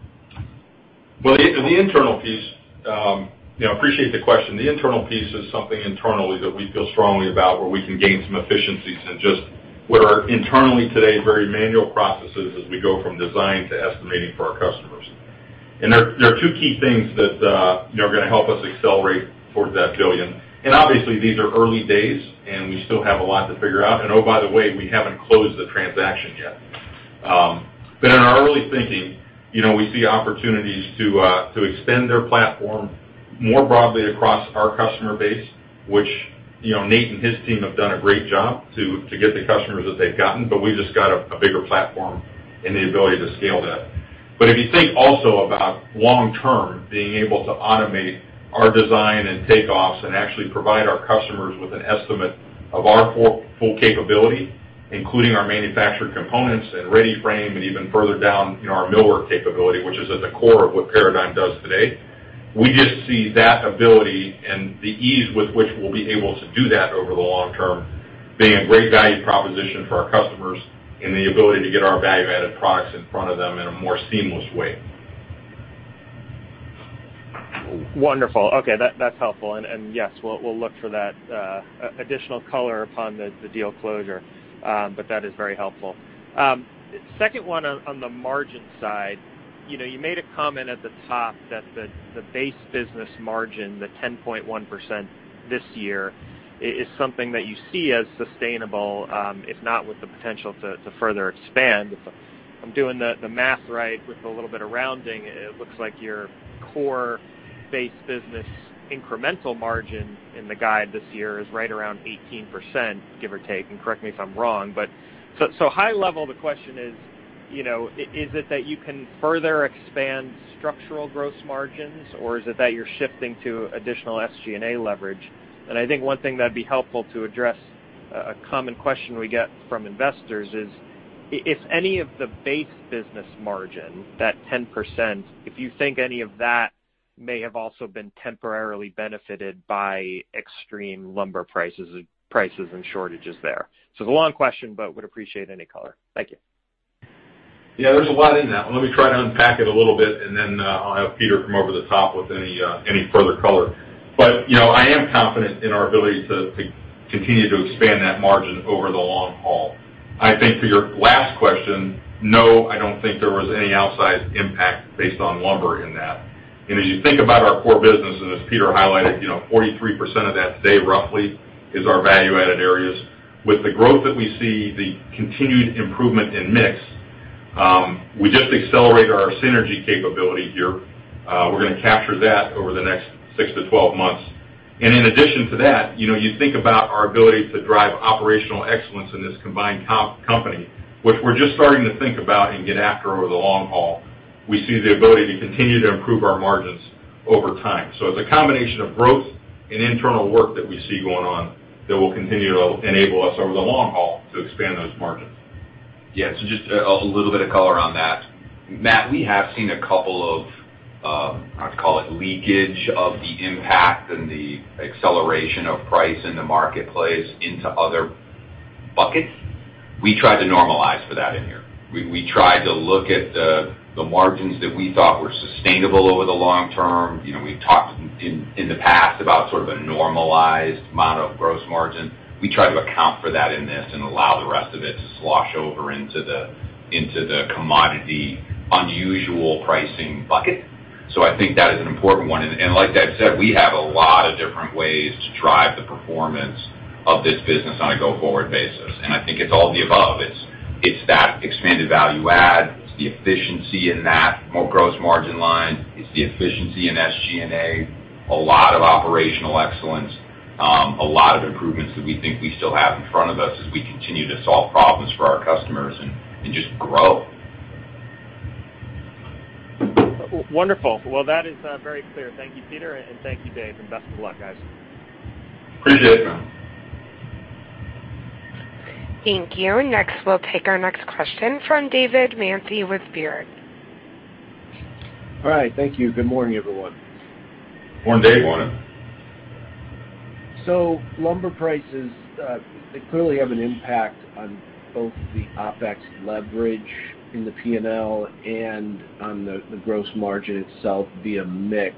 S3: Well, the internal piece. I appreciate the question. The internal piece is something internally that we feel strongly about where we can gain some efficiencies in just what are internally today, very manual processes as we go from design to estimating for our customers. There are two key things that are going to help us accelerate towards that $1 billion. Obviously, these are early days, and we still have a lot to figure out. Oh, by the way, we haven't closed the transaction yet. In our early thinking, we see opportunities to extend their platform more broadly across our customer base, which Nate and his team have done a great job to get the customers that they've gotten, but we've just got a bigger platform and the ability to scale that. If you think also about long-term, being able to automate our design and takeoffs and actually provide our customers with an estimate of our full capability, including our manufactured components and READY-FRAME, and even further down in our millwork capability, which is at the core of what Paradigm does today, we just see that ability and the ease with which we'll be able to do that over the long term, being a great value proposition for our customers and the ability to get our value-added products in front of them in a more seamless way.
S7: Wonderful. Okay. That's helpful. Yes, we'll look for that additional color upon the deal closure. That is very helpful. Second one on the margin side. You made a comment at the top that the base business margin, the 10.1% this year, is something that you see as sustainable, if not with the potential to further expand. If I'm doing the math right, with a little bit of rounding, it looks like your core base business incremental margin in the guide this year is right around 18%, give or take, and correct me if I'm wrong. High level, the question is it that you can further expand structural gross margins, or is it that you're shifting to additional SG&A leverage? I think one thing that'd be helpful to address, a common question we get from investors is, if any of the base business margin, that 10%, if you think any of that may have also been temporarily benefited by extreme lumber prices and shortages there. It's a long question, but would appreciate any color. Thank you.
S3: Yeah, there's a lot in that one. Let me try to unpack it a little bit, and then I'll have Peter come over the top with any further color. I am confident in our ability to continue to expand that margin over the long haul. I think to your last question, no, I don't think there was any outsized impact based on lumber in that. As you think about our core business, and as Peter highlighted, 43% of that today, roughly, is our value-added areas. With the growth that we see, the continued improvement in mix, we just accelerate our synergy capability here. We're going to capture that over the next six to 12 months. In addition to that, you think about our ability to drive operational excellence in this combined company, which we're just starting to think about and get after over the long haul. We see the ability to continue to improve our margins over time. It's a combination of growth and internal work that we see going on that will continue to enable us over the long haul to expand those margins.
S4: Just a little bit of color on that, Matt, we have seen a couple of, I'd call it, leakage of the impact and the acceleration of price in the marketplace into other buckets. We try to normalize for that in here. We try to look at the margins that we thought were sustainable over the long term. We've talked in the past about sort of a normalized amount of gross margin. We try to account for that in this and allow the rest of it to slosh over into the commodity unusual pricing bucket. I think that is an important one. Like Dave said, we have a lot of different ways to drive the performance of this business on a go-forward basis. I think it's all the above. It's that expanded value add. It's the efficiency in that more gross margin line. It's the efficiency in SG&A, a lot of operational excellence. A lot of improvements that we think we still have in front of us as we continue to solve problems for our customers and just grow.
S7: Wonderful. Well, that is very clear. Thank you, Peter, and thank you, Dave, and best of luck, guys.
S4: Appreciate that.
S1: Thank you. Next, we'll take our next question from David Manthey with Baird.
S8: All right. Thank you. Good morning, everyone.
S4: Morning, Dave.
S3: Good morning.
S8: Lumber prices, they clearly have an impact on both the OpEx leverage in the P&L and on the gross margin itself via mix.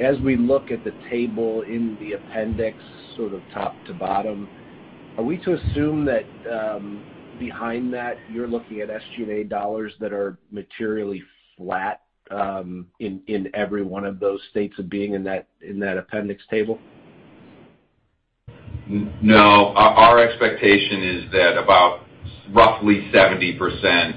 S8: As we look at the table in the appendix sort of top to bottom, are we to assume that behind that you're looking at SG&A dollars that are materially flat in every one of those states of being in that appendix table?
S4: No. Our expectation is that about roughly 70%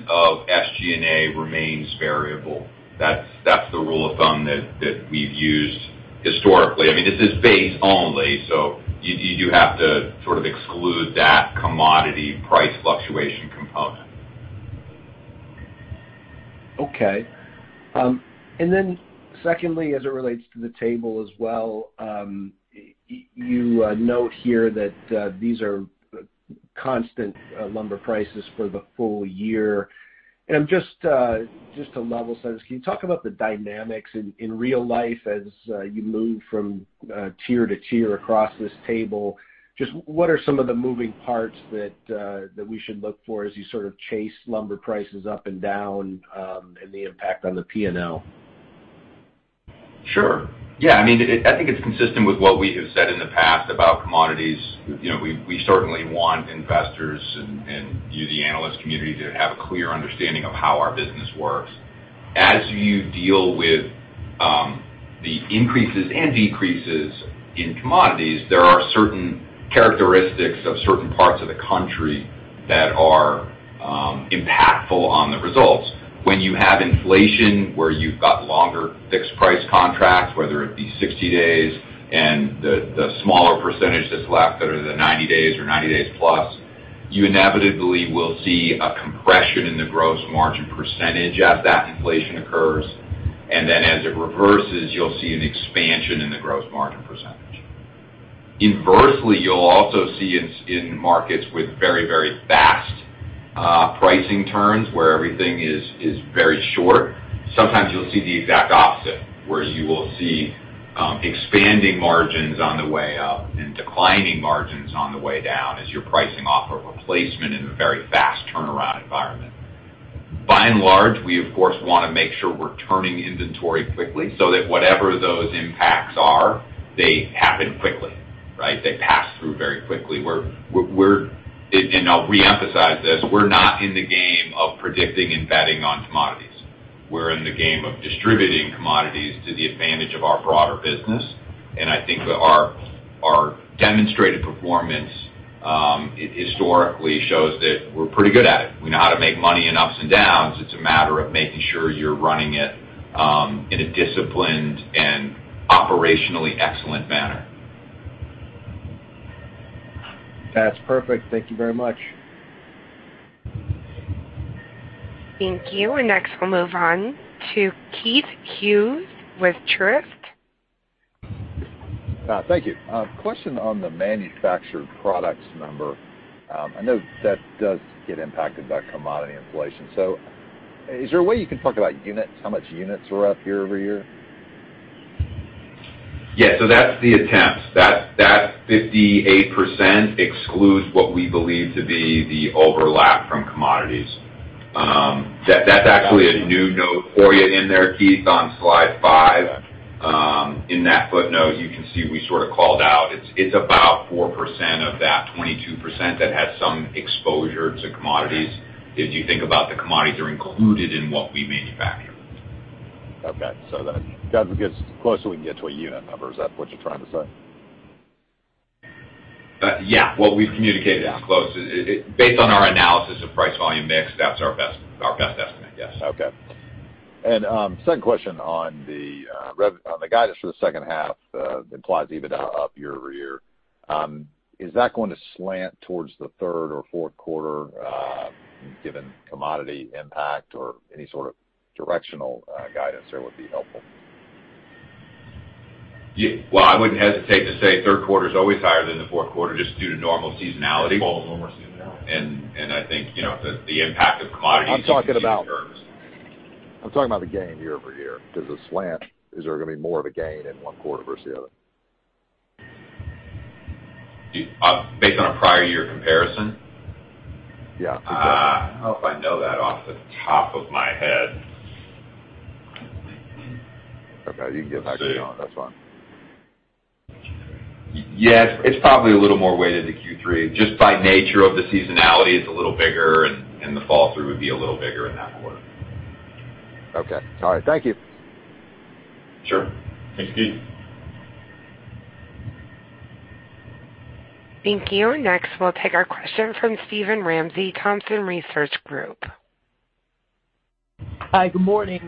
S4: of SG&A remains variable. That's the rule of thumb that we've used historically. This is base only, so you do have to sort of exclude that commodity price fluctuation component.
S8: Okay. Secondly, as it relates to the table as well, you note here that these are constant lumber prices for the full year. Just to level-set us, can you talk about the dynamics in real life as you move from tier to tier across this table? Just what are some of the moving parts that we should look for as you sort of chase lumber prices up and down and the impact on the P&L?
S4: Sure. Yeah, I think it's consistent with what we have said in the past about commodities. We certainly want investors and you, the analyst community, to have a clear understanding of how our business works. As you deal with the increases and decreases in commodities, there are certain characteristics of certain parts of the country that are impactful on the results. When you have inflation, where you've got longer fixed price contracts, whether it be 60 days and the smaller % that's left that are the 90 days or 90 days plus, you inevitably will see a compression in the gross margin % as that inflation occurs. As it reverses, you'll see an expansion in the gross margin %. Inversely, you'll also see in markets with very, very fast pricing turns where everything is very short, sometimes you'll see the exact opposite, where you will see expanding margins on the way up and declining margins on the way down as you're pricing off of replacement in a very fast turnaround environment. By and large, we, of course, want to make sure we're turning inventory quickly so that whatever those impacts are, they happen quickly. Right? They pass through very quickly. I'll reemphasize this: we're not in the game of predicting and betting on commodities. We're in the game of distributing commodities to the advantage of our broader business, and I think that our demonstrated performance historically shows that we're pretty good at it. We know how to make money in ups and downs. It's a matter of making sure you're running it in a disciplined and operationally excellent manner.
S8: That's perfect. Thank you very much.
S1: Thank you. Next we'll move on to Keith Hughes with Truist.
S9: Thank you. A question on the manufactured products number. I know that does get impacted by commodity inflation. Is there a way you can talk about units, how much units were up year-over-year?
S4: Yeah. That's the attempt. That 58% excludes what we believe to be the overlap from commodities. That's actually a new note for you in there, Keith, on slide five.
S9: Yeah.
S4: In that footnote, you can see we sort of called out, it's about 4% of that 22% that has some exposure to commodities. If you think about the commodities are included in what we manufacture.
S9: Okay. As close as we can get to a unit number? Is that what you're trying to say?
S4: Yeah. What we've communicated is close. Based on our analysis of price-volume mix, that's our best estimate. Yes.
S9: Okay. Second question on the guidance for the second half implies EBITDA up year-over-year. Is that going to slant towards the third or fourth quarter given commodity impact or any sort of directional guidance there would be helpful?
S4: Well, I wouldn't hesitate to say third quarter's always higher than the fourth quarter just due to normal seasonality.
S9: Fall normal seasonality.
S4: I think the impact of commodities-
S9: I'm talking about the gain year-over-year. Does it slant? Is there going to be more of a gain in one quarter versus the other?
S4: Based on a prior year comparison?
S9: Yeah.
S4: I don't know if I know that off the top of my head.
S9: Okay. You can get back to me on it. That's fine.
S4: Yes, it's probably a little more weighted to Q3. Just by nature of the seasonality, it's a little bigger, and the fall through would be a little bigger in that quarter.
S9: Okay. All right. Thank you.
S4: Sure. Thanks, Keith.
S1: Thank you. Next, we'll take our question from Steven Ramsey, Thompson Research Group.
S10: Hi, good morning.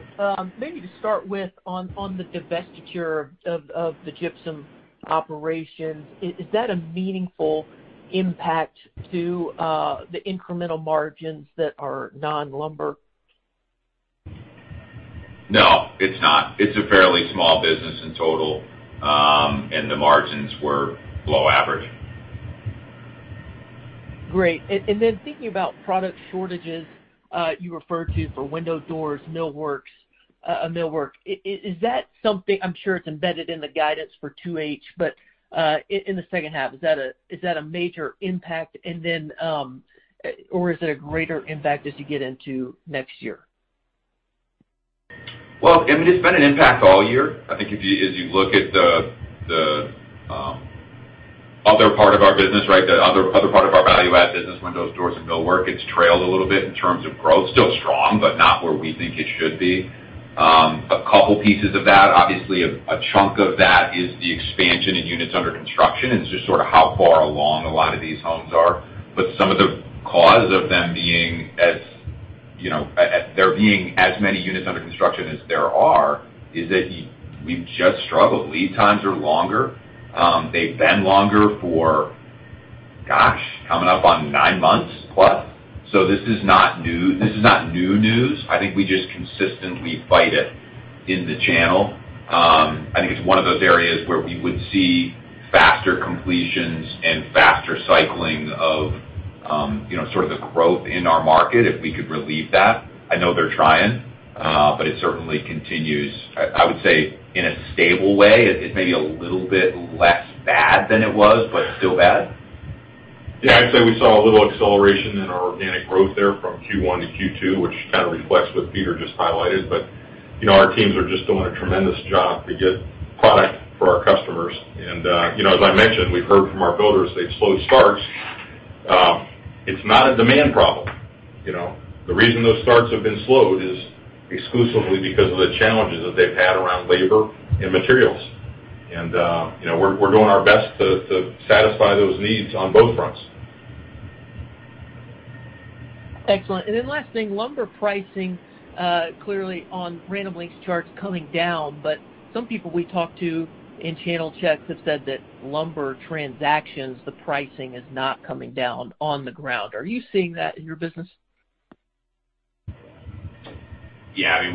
S10: Maybe to start with on the divestiture of the gypsum operations, is that a meaningful impact to the incremental margins that are non-lumber?
S4: No, it's not. It's a fairly small business in total. The margins were below average.
S10: Great. Thinking about product shortages you referred to for windows, doors, millwork. Is that something, I'm sure it's embedded in the guidance for 2H, but, in the second half, is that a major impact? Is it a greater impact as you get into next year?
S4: Well, I mean, it's been an impact all year. I think as you look at the other part of our business, right? The other part of our value-add business, windows, doors, and millwork, it's trailed a little bit in terms of growth. Still strong, but not where we think it should be. A couple pieces of that. Obviously, a chunk of that is the expansion in units under construction, and it's just sort of how far along a lot of these homes are. Some of the cause of there being as many units under construction as there are, is that we've just struggled. Lead times are longer. They've been longer for, gosh, coming up on nine months plus. This is not new news. I think we just consistently fight it in the channel. I think it's one of those areas where we would see faster completions and faster cycling of sort of the growth in our market if we could relieve that. I know they're trying. It certainly continues, I would say, in a stable way. It may be a little bit less bad than it was, but still bad.
S3: I'd say we saw a little acceleration in our organic growth there from Q1 to Q2, which kind of reflects what Peter just highlighted. Our teams are just doing a tremendous job to get product for our customers. As I mentioned, we've heard from our builders, they've slowed starts. It's not a demand problem. The reason those starts have been slowed is exclusively because of the challenges that they've had around labor and materials. We're doing our best to satisfy those needs on both fronts.
S10: Excellent. Last thing, lumber pricing, clearly on Random Lengths charts coming down, but some people we talk to in channel checks have said that lumber transactions, the pricing is not coming down on the ground. Are you seeing that in your business?
S4: Yeah. I mean,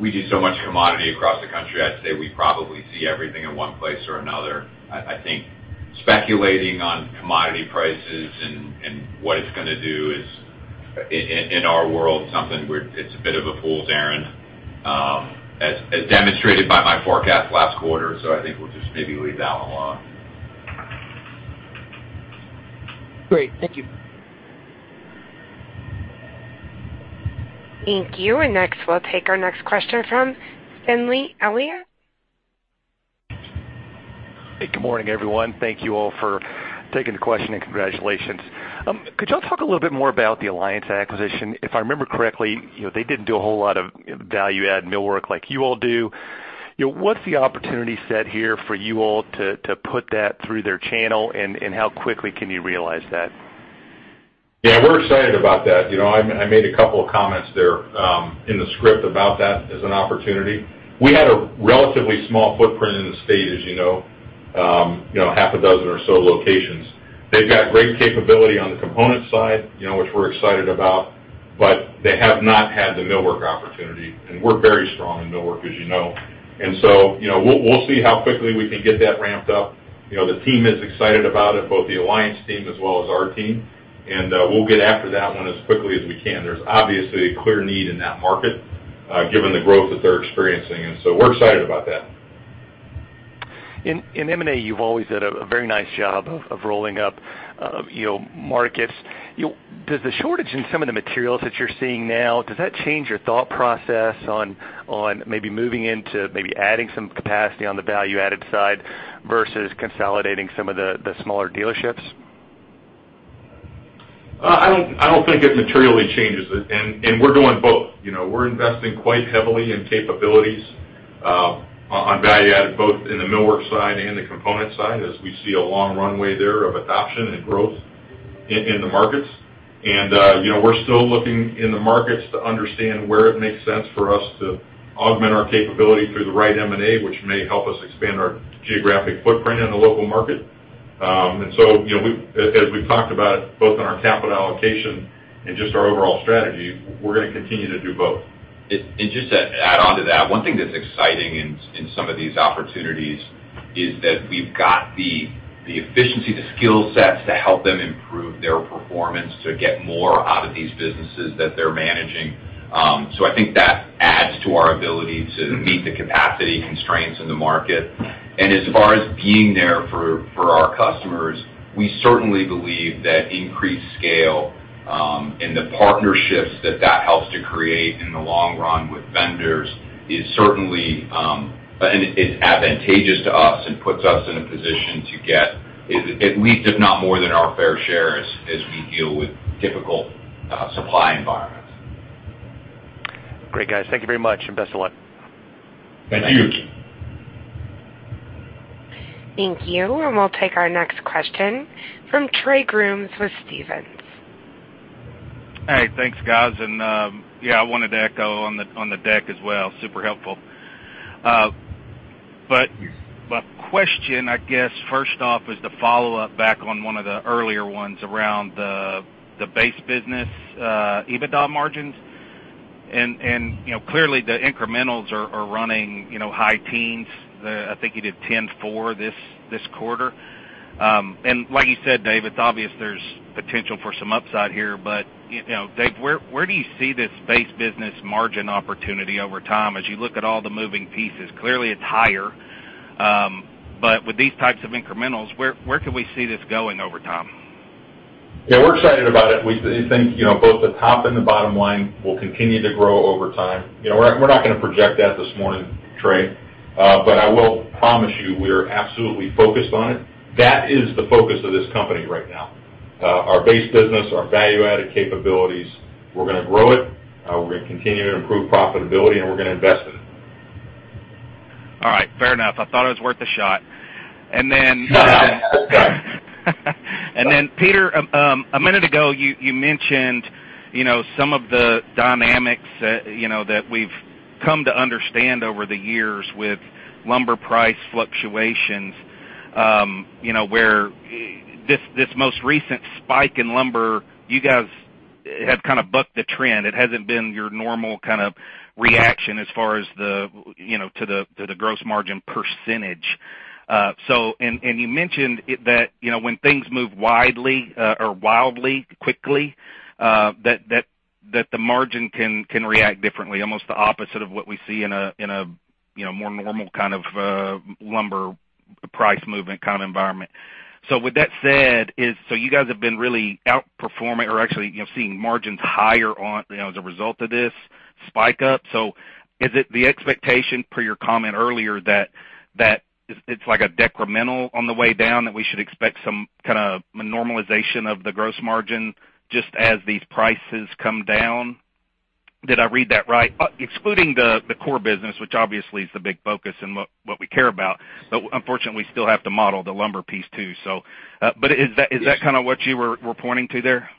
S4: we do so much commodity across the country. I'd say we probably see everything in one place or another. I think speculating on commodity prices and what it's going to do is, in our world, it's a bit of a fool's errand, as demonstrated by my forecast last quarter. I think we'll just maybe leave that one alone.
S10: Great. Thank you.
S1: Thank you. Next, we'll take our next question from Finley Elia.
S11: Hey, good morning, everyone. Thank you all for taking the question, and congratulations. Could y'all talk a little bit more about the Alliance acquisition? If I remember correctly, they didn't do a whole lot of value-add millwork like you all do. What's the opportunity set here for you all to put that through their channel, and how quickly can you realize that?
S3: Yeah, we're excited about that. I made a couple of comments there, in the script about that as an opportunity. We had a relatively small footprint in the state, as you know. Half a dozen or so locations. They've got great capability on the component side, which we're excited about, but they have not had the millwork opportunity, and we're very strong in millwork, as you know. We'll see how quickly we can get that ramped up. The team is excited about it, both the Alliance team as well as our team. We'll get after that one as quickly as we can. There's obviously a clear need in that market, given the growth that they're experiencing, and so we're excited about that.
S11: In M&A, you've always done a very nice job of rolling up markets. Does the shortage in some of the materials that you're seeing now, does that change your thought process on maybe moving into maybe adding some capacity on the value-added side versus consolidating some of the smaller dealerships?
S3: I don't think it materially changes it, and we're doing both. We're investing quite heavily in capabilities on value add, both in the millwork side and the component side, as we see a long runway there of adoption and growth in the markets. We're still looking in the markets to understand where it makes sense for us to augment our capability through the right M&A, which may help us expand our geographic footprint in the local market. As we've talked about, both in our capital allocation and just our overall strategy, we're going to continue to do both.
S4: Just to add onto that, one thing that's exciting in some of these opportunities is that we've got the efficiency, the skill sets to help them improve their performance to get more out of these businesses that they're managing. I think that adds to our ability to meet the capacity constraints in the market. As far as being there for our customers, we certainly believe that increased scale, and the partnerships that that helps to create in the long run with vendors is advantageous to us and puts us in a position to get at least, if not more than our fair share as we deal with difficult supply environments.
S11: Great, guys. Thank you very much. Best of luck.
S3: Thank you.
S1: Thank you. We'll take our next question from Trey Grooms with Stephens.
S12: Hey, thanks, guys. Yeah, I wanted to echo on the deck as well. Super helpful. Question, I guess first off is the follow-up back on one of the earlier ones around the base business EBITDA margins. Clearly, the incrementals are running high teens. I think you did 10.4 this quarter. Like you said, Dave Flitman, it's obvious there's potential for some upside here. Dave Flitman, where do you see this base business margin opportunity over time as you look at all the moving pieces? Clearly, it's higher. With these types of incrementals, where could we see this going over time?
S3: We're excited about it. We think both the top and the bottom line will continue to grow over time. We're not going to project that this morning, Trey. I will promise you, we are absolutely focused on it. That is the focus of this company right now. Our base business, our value-added capabilities, we're going to grow it, we're going to continue to improve profitability, and we're going to invest in it.
S12: All right. Fair enough. I thought it was worth a shot. Peter, a minute ago, you mentioned some of the dynamics that we've come to understand over the years with lumber price fluctuations where this most recent spike in lumber, you guys have kind of bucked the trend. It hasn't been your normal kind of reaction as far to the gross margin %. You mentioned that when things move wildly quickly, that the margin can react differently, almost the opposite of what we see in a more normal kind of lumber price movement kind of environment. With that said, you guys have been really outperforming or actually seeing margins higher as a result of this spike up. Is it the expectation per your comment earlier that it's like a decremental on the way down, that we should expect some kind of normalization of the gross margin just as these prices come down? Did I read that right? Excluding the core business, which obviously is the big focus and what we care about. Unfortunately, we still have to model the lumber piece, too. Is that kind of what you were pointing to there?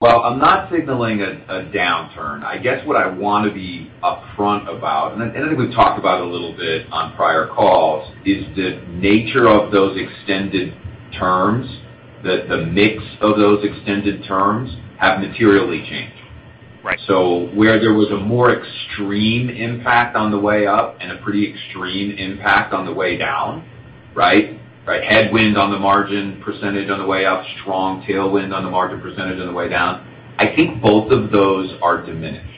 S4: Well, I'm not signaling a downturn. I guess what I want to be upfront about, and I think we've talked about a little bit on prior calls, is the nature of those extended terms, that the mix of those extended terms have materially changed.
S12: Right.
S4: Where there was a more extreme impact on the way up and a pretty extreme impact on the way down. Headwind on the margin percentage on the way up, strong tailwind on the margin percentage on the way down. I think both of those are diminished.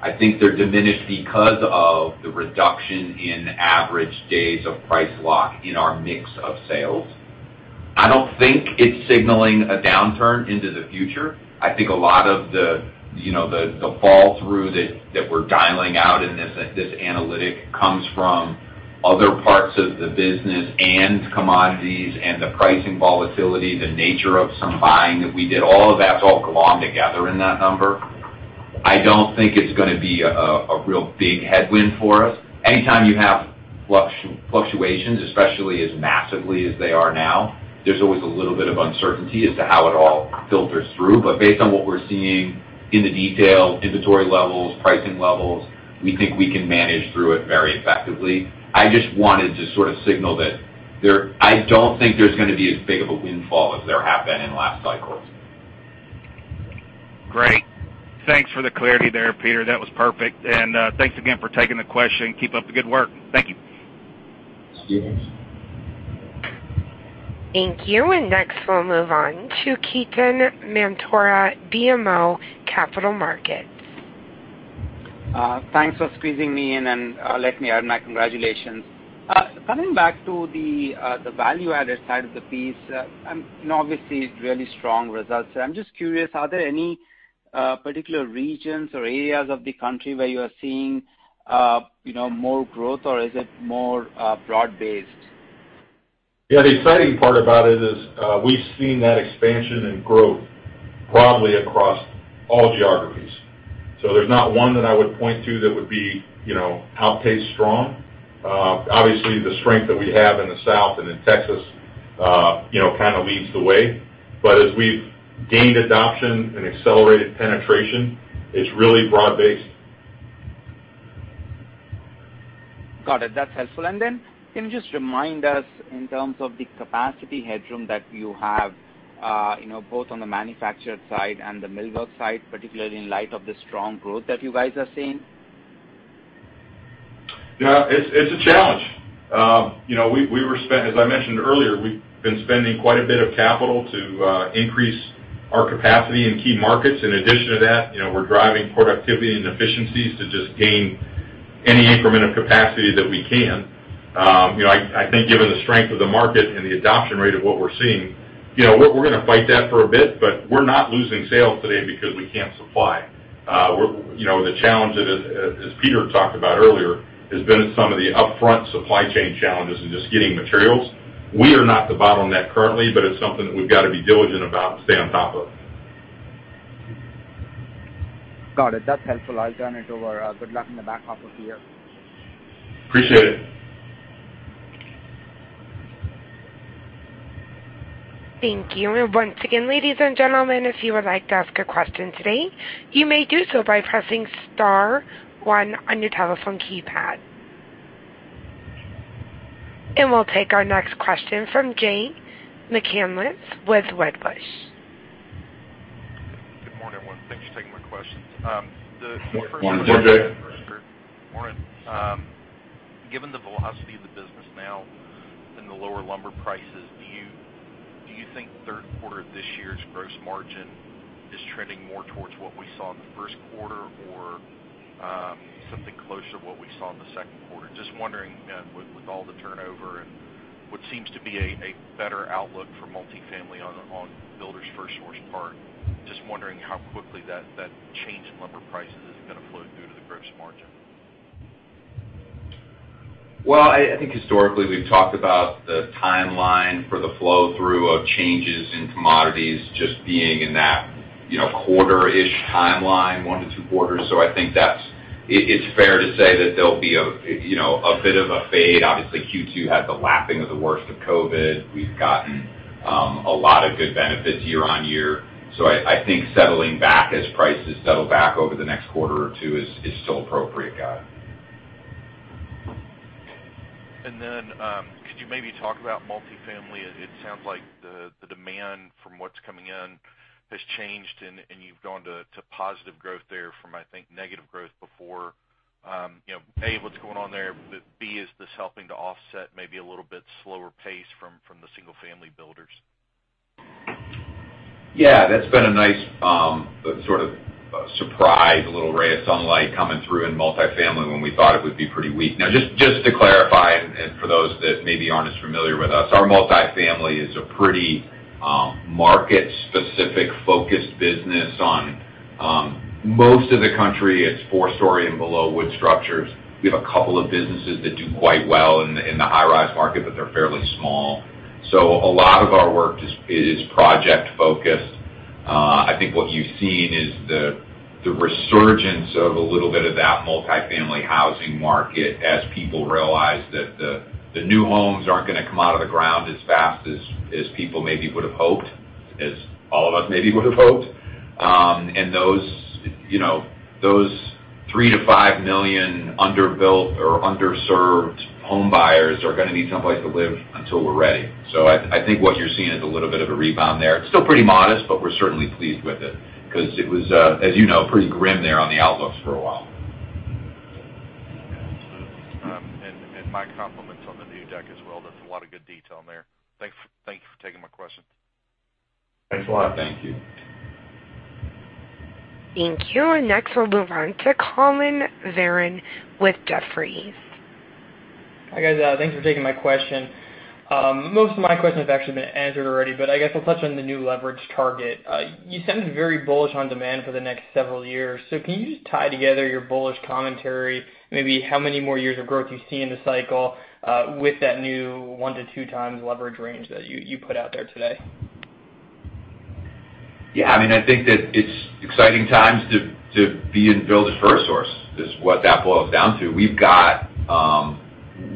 S4: I think they're diminished because of the reduction in average days of price lock in our mix of sales. I don't think it's signaling a downturn into the future. I think a lot of the fall through that we're dialing out in this analytic comes from other parts of the business and commodities and the pricing volatility, the nature of some buying that we did. All of that's all glommed together in that number. I don't think it's going to be a real big headwind for us. Anytime you have fluctuations, especially as massively as they are now, there's always a little bit of uncertainty as to how it all filters through. Based on what we're seeing in the detail, inventory levels, pricing levels, we think we can manage through it very effectively. I just wanted to sort of signal that I don't think there's going to be as big of a windfall as there have been in last cycles.
S12: Great. Thanks for the clarity there, Peter. That was perfect. Thanks again for taking the question. Keep up the good work. Thank you.
S4: Thanks.
S1: Thank you. Next we'll move on to Ketan Mamtora, BMO Capital Markets.
S13: Thanks for squeezing me in and let me add my congratulations. Coming back to the value-added side of the piece, and obviously really strong results. I'm just curious, are there any particular regions or areas of the country where you are seeing more growth, or is it more broad-based?
S3: Yeah, the exciting part about it is we've seen that expansion and growth broadly across all geographies. There's not one that I would point to that would be outpaced strong. Obviously, the strength that we have in the South and in Texas kind of leads the way. As we've gained adoption and accelerated penetration, it's really broad-based.
S13: Got it. That's helpful. Can you just remind us in terms of the capacity headroom that you have both on the manufactured side and the millwork side, particularly in light of the strong growth that you guys are seeing?
S3: Yeah, it's a challenge. As I mentioned earlier, we've been spending quite a bit of capital to increase our capacity in key markets. In addition to that, we're driving productivity and efficiencies to just gain any increment of capacity that we can. I think given the strength of the market and the adoption rate of what we're seeing, we're going to fight that for a bit, but we're not losing sales today because we can't supply. The challenge, as Peter talked about earlier, has been some of the upfront supply chain challenges and just getting materials. We are not the bottleneck currently, but it's something that we've got to be diligent about and stay on top of.
S13: Got it. That's helpful. I'll turn it over. Good luck in the back half of the year.
S3: Appreciate it.
S1: Thank you. Once again, ladies and gentlemen, if you would like to ask a question today, you may do so by pressing star one on your telephone keypad. We'll take our next question from Jay McCanless with Wedbush.
S14: Good morning, everyone. Thanks for taking my questions.
S4: Morning, Jay.
S14: Morning. Given the velocity of the business now and the lower lumber prices, do you think third quarter of this year's gross margin is trending more towards what we saw in the first quarter or something closer to what we saw in the second quarter? Just wondering with all the turnover and what seems to be a better outlook for multifamily on Builders FirstSource part, just wondering how quickly that change in lumber prices is going to flow through to the gross margin.
S4: Well, I think historically, we've talked about the timeline for the flow-through of changes in commodities just being in that quarter-ish timeline, one to two quarters. I think it's fair to say that there'll be a bit of a fade. Obviously, Q2 had the lapping of the worst of COVID. We've gotten a lot of good benefits year-on-year. I think settling back as prices settle back over the next quarter or two is still appropriate, guys.
S14: Could you maybe talk about multifamily? It sounds like the demand from what's coming in has changed, and you've gone to positive growth there from, I think, negative growth before. A, what's going on there? B, is this helping to offset maybe a little bit slower pace from the single-family builders?
S4: That's been a nice sort of surprise, a little ray of sunlight coming through in multifamily when we thought it would be pretty weak. Just to clarify, and for those that maybe aren't as familiar with us, our multifamily is a pretty market-specific focused business. On most of the country, it's four-story and below wood structures. We have a couple of businesses that do quite well in the high-rise market, but they're fairly small. A lot of our work is project-focused. I think what you've seen is the resurgence of a little bit of that multifamily housing market as people realize that the new homes aren't going to come out of the ground as fast as people maybe would have hoped, as all of us maybe would have hoped. Those 3 million-5 million underbuilt or underserved home buyers are going to need someplace to live until we're ready. I think what you're seeing is a little bit of a rebound there. It's still pretty modest, but we're certainly pleased with it because it was, as you know, pretty grim there on the outlook for a while.
S14: Yeah, absolutely. My compliments on the new deck as well. There's a lot of good detail in there. Thank you for taking my question.
S4: Thanks a lot. Thank you.
S1: Thank you. Next, we'll move on to Collin Verron with Jefferies.
S15: Hi, guys. Thanks for taking my question. Most of my question has actually been answered already. I guess I'll touch on the new leverage target. You sound very bullish on demand for the next several years. Can you just tie together your bullish commentary, maybe how many more years of growth you see in the cycle with that new 1x:2x leverage range that you put out there today?
S4: Yeah, I think that it's exciting times to be in Builders FirstSource is what that boils down to. We've got,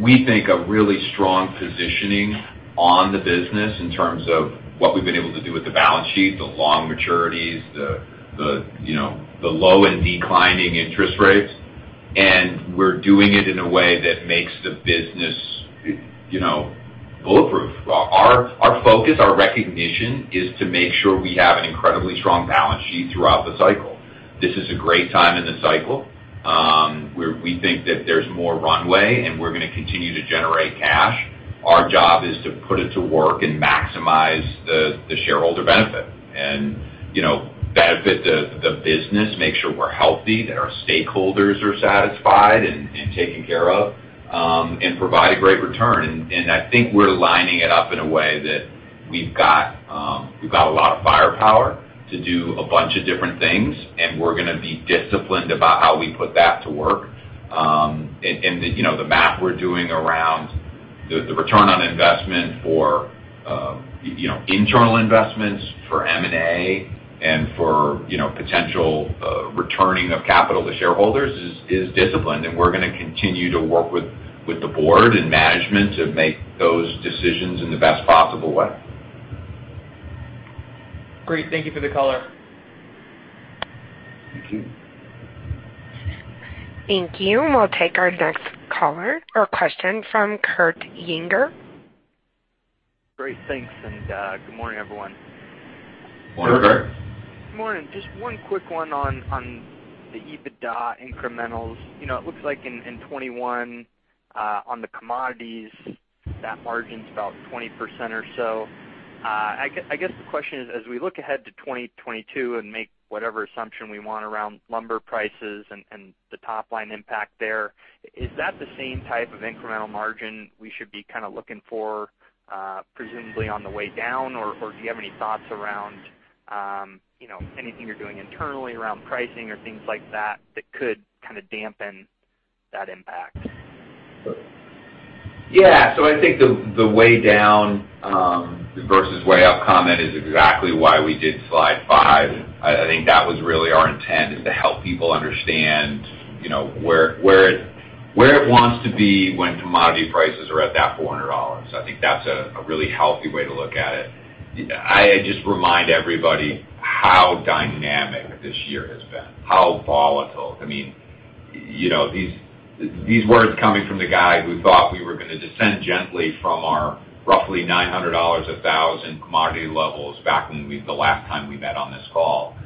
S4: we think, a really strong positioning on the business in terms of what we've been able to do with the balance sheet, the long maturities, the low and declining interest rates, and we're doing it in a way that makes the business bulletproof. Our focus, our recognition is to make sure we have an incredibly strong balance sheet throughout the cycle. This is a great time in the cycle where we think that there's more runway, and we're going to continue to generate cash. Our job is to put it to work and maximize the shareholder benefit and benefit the business, make sure we're healthy, that our stakeholders are satisfied and taken care of, and provide a great return. I think we're lining it up in a way that we've got a lot of firepower to do a bunch of different things, and we're going to be disciplined about how we put that to work. The math we're doing around the return on investment for internal investments, for M&A, and for potential returning of capital to shareholders is disciplined, and we're going to continue to work with the board and management to make those decisions in the best possible way.
S15: Great. Thank you for the color.
S4: Thank you.
S1: Thank you. We'll take our next caller or question from Kurt Yinger.
S16: Great. Thanks, and good morning, everyone.
S4: Morning, Kurt.
S16: Morning. Just one quick one on the EBITDA incrementals. It looks like in 2021 on the commodities, that margin's about 20% or so. I guess the question is, as we look ahead to 2022 and make whatever assumption we want around lumber prices and the top-line impact there, is that the same type of incremental margin we should be kind of looking for presumably on the way down, or do you have any thoughts around anything you're doing internally around pricing or things like that that could kind of dampen that impact?
S4: Yeah. I think the way down versus way up comment is exactly why we did slide five. I think that was really our intent, is to help people understand where it wants to be when commodity prices are at that $400. I think that's a really healthy way to look at it. I just remind everybody how dynamic this year has been, how volatile. These words coming from the guy who thought we were going to descend gently from our roughly $900, $1,000 commodity levels back the last time we met on this call.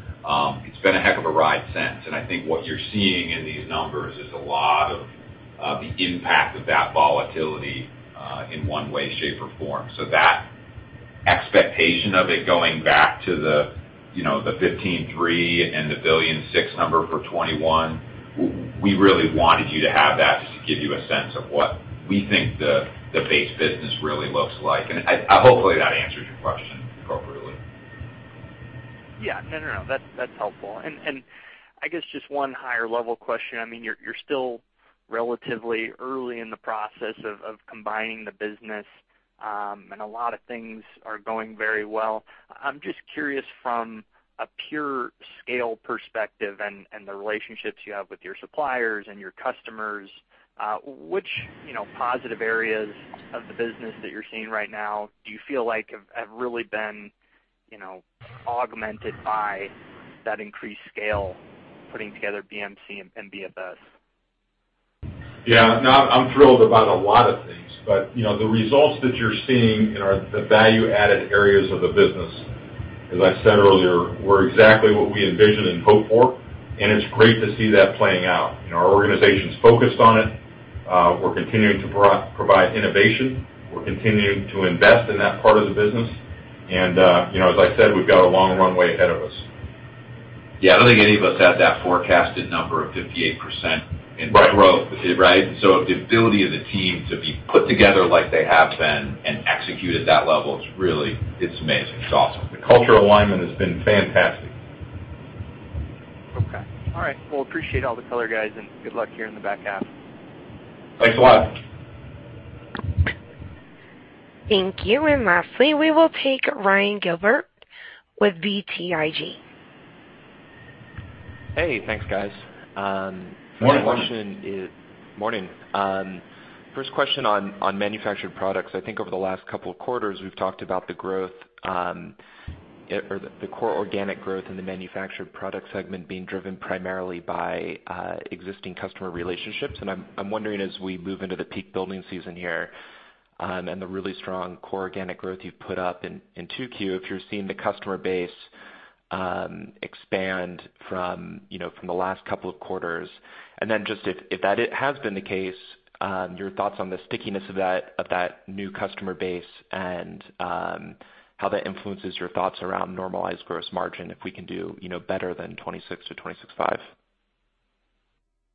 S4: It's been a heck of a ride since. I think what you're seeing in these numbers is a lot of the impact of that volatility, in one way, shape, or form. That expectation of it going back to the $15.3 billion and the $1.6 billion number for 2021, we really wanted you to have that just to give you a sense of what we think the base business really looks like. Hopefully that answers your question appropriately.
S16: Yeah. No, no. That's helpful. I guess just one higher level question. You're still relatively early in the process of combining the business, and a lot of things are going very well. I'm just curious from a pure scale perspective and the relationships you have with your suppliers and your customers, which positive areas of the business that you're seeing right now do you feel like have really been augmented by that increased scale, putting together BMC and BFS?
S3: Yeah. No, I'm thrilled about a lot of things. The results that you're seeing in the value-added areas of the business, as I said earlier, were exactly what we envisioned and hoped for, and it's great to see that playing out. Our organization's focused on it. We're continuing to provide innovation. We're continuing to invest in that part of the business. As I said, we've got a long runway ahead of us.
S4: Yeah, I don't think any of us had that forecasted number of 58% in growth, right? The ability of the team to be put together like they have been and execute at that level, it's amazing. It's awesome.
S3: The culture alignment has been fantastic.
S16: Okay. All right. Well, appreciate all the color, guys, and good luck here in the back half.
S3: Thanks a lot.
S1: Thank you. Lastly, we will take Ryan Gilbert with BTIG.
S17: Hey, thanks, guys.
S3: Morning.
S17: Morning. First question on manufactured products. I think over the last couple of quarters, we've talked about the core organic growth in the manufactured product segment being driven primarily by existing customer relationships. I'm wondering, as we move into the peak building season here, and the really strong core organic growth you've put up in 2Q, if you're seeing the customer base expand from the last couple of quarters. Just if that has been the case, your thoughts on the stickiness of that new customer base and how that influences your thoughts around normalized gross margin, if we can do better than 26%-26.5%.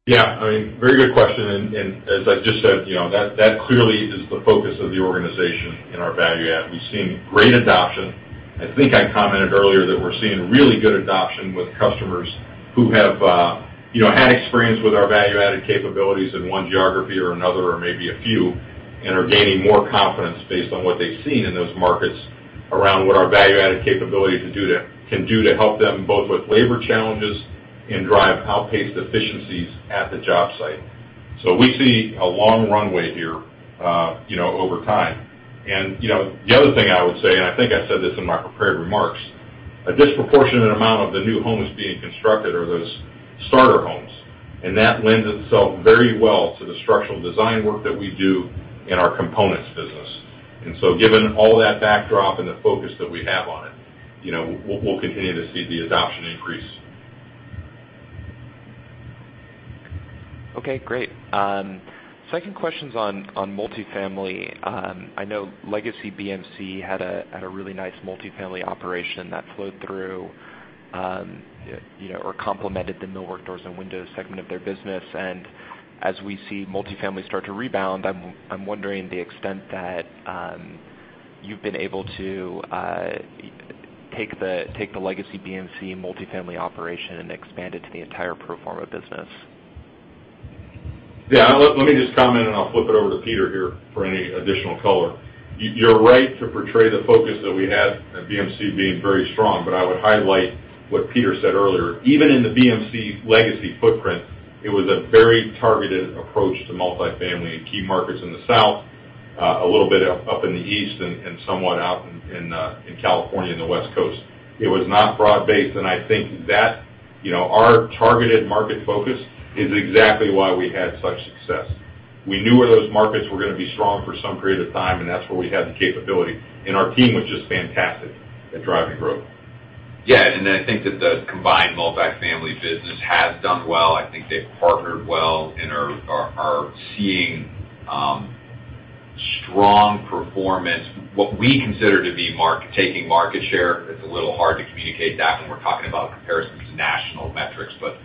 S3: Yeah. Very good question. As I just said, that clearly is the focus of the organization in our value-add. We've seen great adoption. I think I commented earlier that we're seeing really good adoption with customers who have had experience with our value-added capabilities in one geography or another or maybe a few, are gaining more confidence based on what they've seen in those markets around what our value-added capability can do to help them both with labor challenges and drive outpaced efficiencies at the job site. We see a long runway here over time. The other thing I would say, I think I said this in my prepared remarks, a disproportionate amount of the new homes being constructed are those starter homes, that lends itself very well to the structural design work that we do in our components business. Given all that backdrop and the focus that we have on it, we'll continue to see the adoption increase.
S17: Okay, great. Second question's on multifamily. I know legacy BMC had a really nice multifamily operation that flowed through or complemented the millwork doors and windows segment of their business. As we see multifamily start to rebound, I'm wondering the extent that you've been able to take the legacy BMC Multifamily operation and expand it to the entire pro forma business.
S3: Let me just comment, and I'll flip it over to Peter here for any additional color. You're right to portray the focus that we had at BMC being very strong, but I would highlight what Peter said earlier. Even in the BMC legacy footprint, it was a very targeted approach to multifamily in key markets in the South, a little bit up in the East, and somewhat out in California and the West Coast. It was not broad-based. I think that our targeted market focus is exactly why we had such success. We knew where those markets were going to be strong for some period of time, and that's where we had the capability. Our team was just fantastic at driving growth.
S4: I think that the combined multifamily business has done well. I think they've partnered well and are seeing strong performance, what we consider to be taking market share. It's a little hard to communicate that when we're talking about comparisons to national metrics, but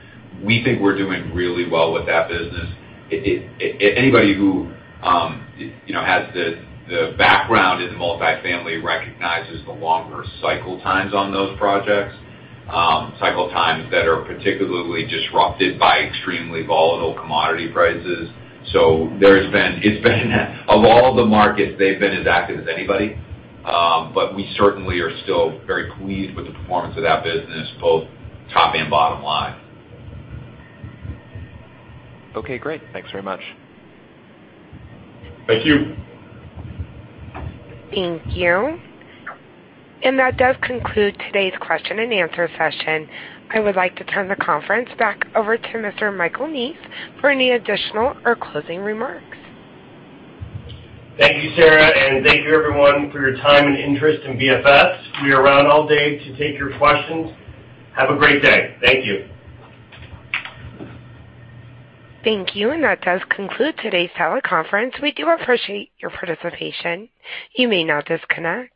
S4: we think we're doing really well with that business. Anybody who has the background in the multifamily recognizes the longer cycle times on those projects, cycle times that are particularly disrupted by extremely volatile commodity prices. Of all the markets, they've been as active as anybody. We certainly are still very pleased with the performance of that business, both top and bottom line.
S17: Okay, great. Thanks very much.
S3: Thank you.
S1: Thank you. That does conclude today's question-and-answer session. I would like to turn the conference back over to Mr. Michael Neese for any additional or closing remarks.
S2: Thank you, Sarah, thank you everyone for your time and interest in BFS. We are around all day to take your questions. Have a great day. Thank you.
S1: Thank you, and that does conclude today's teleconference. We do appreciate your participation. You may now disconnect.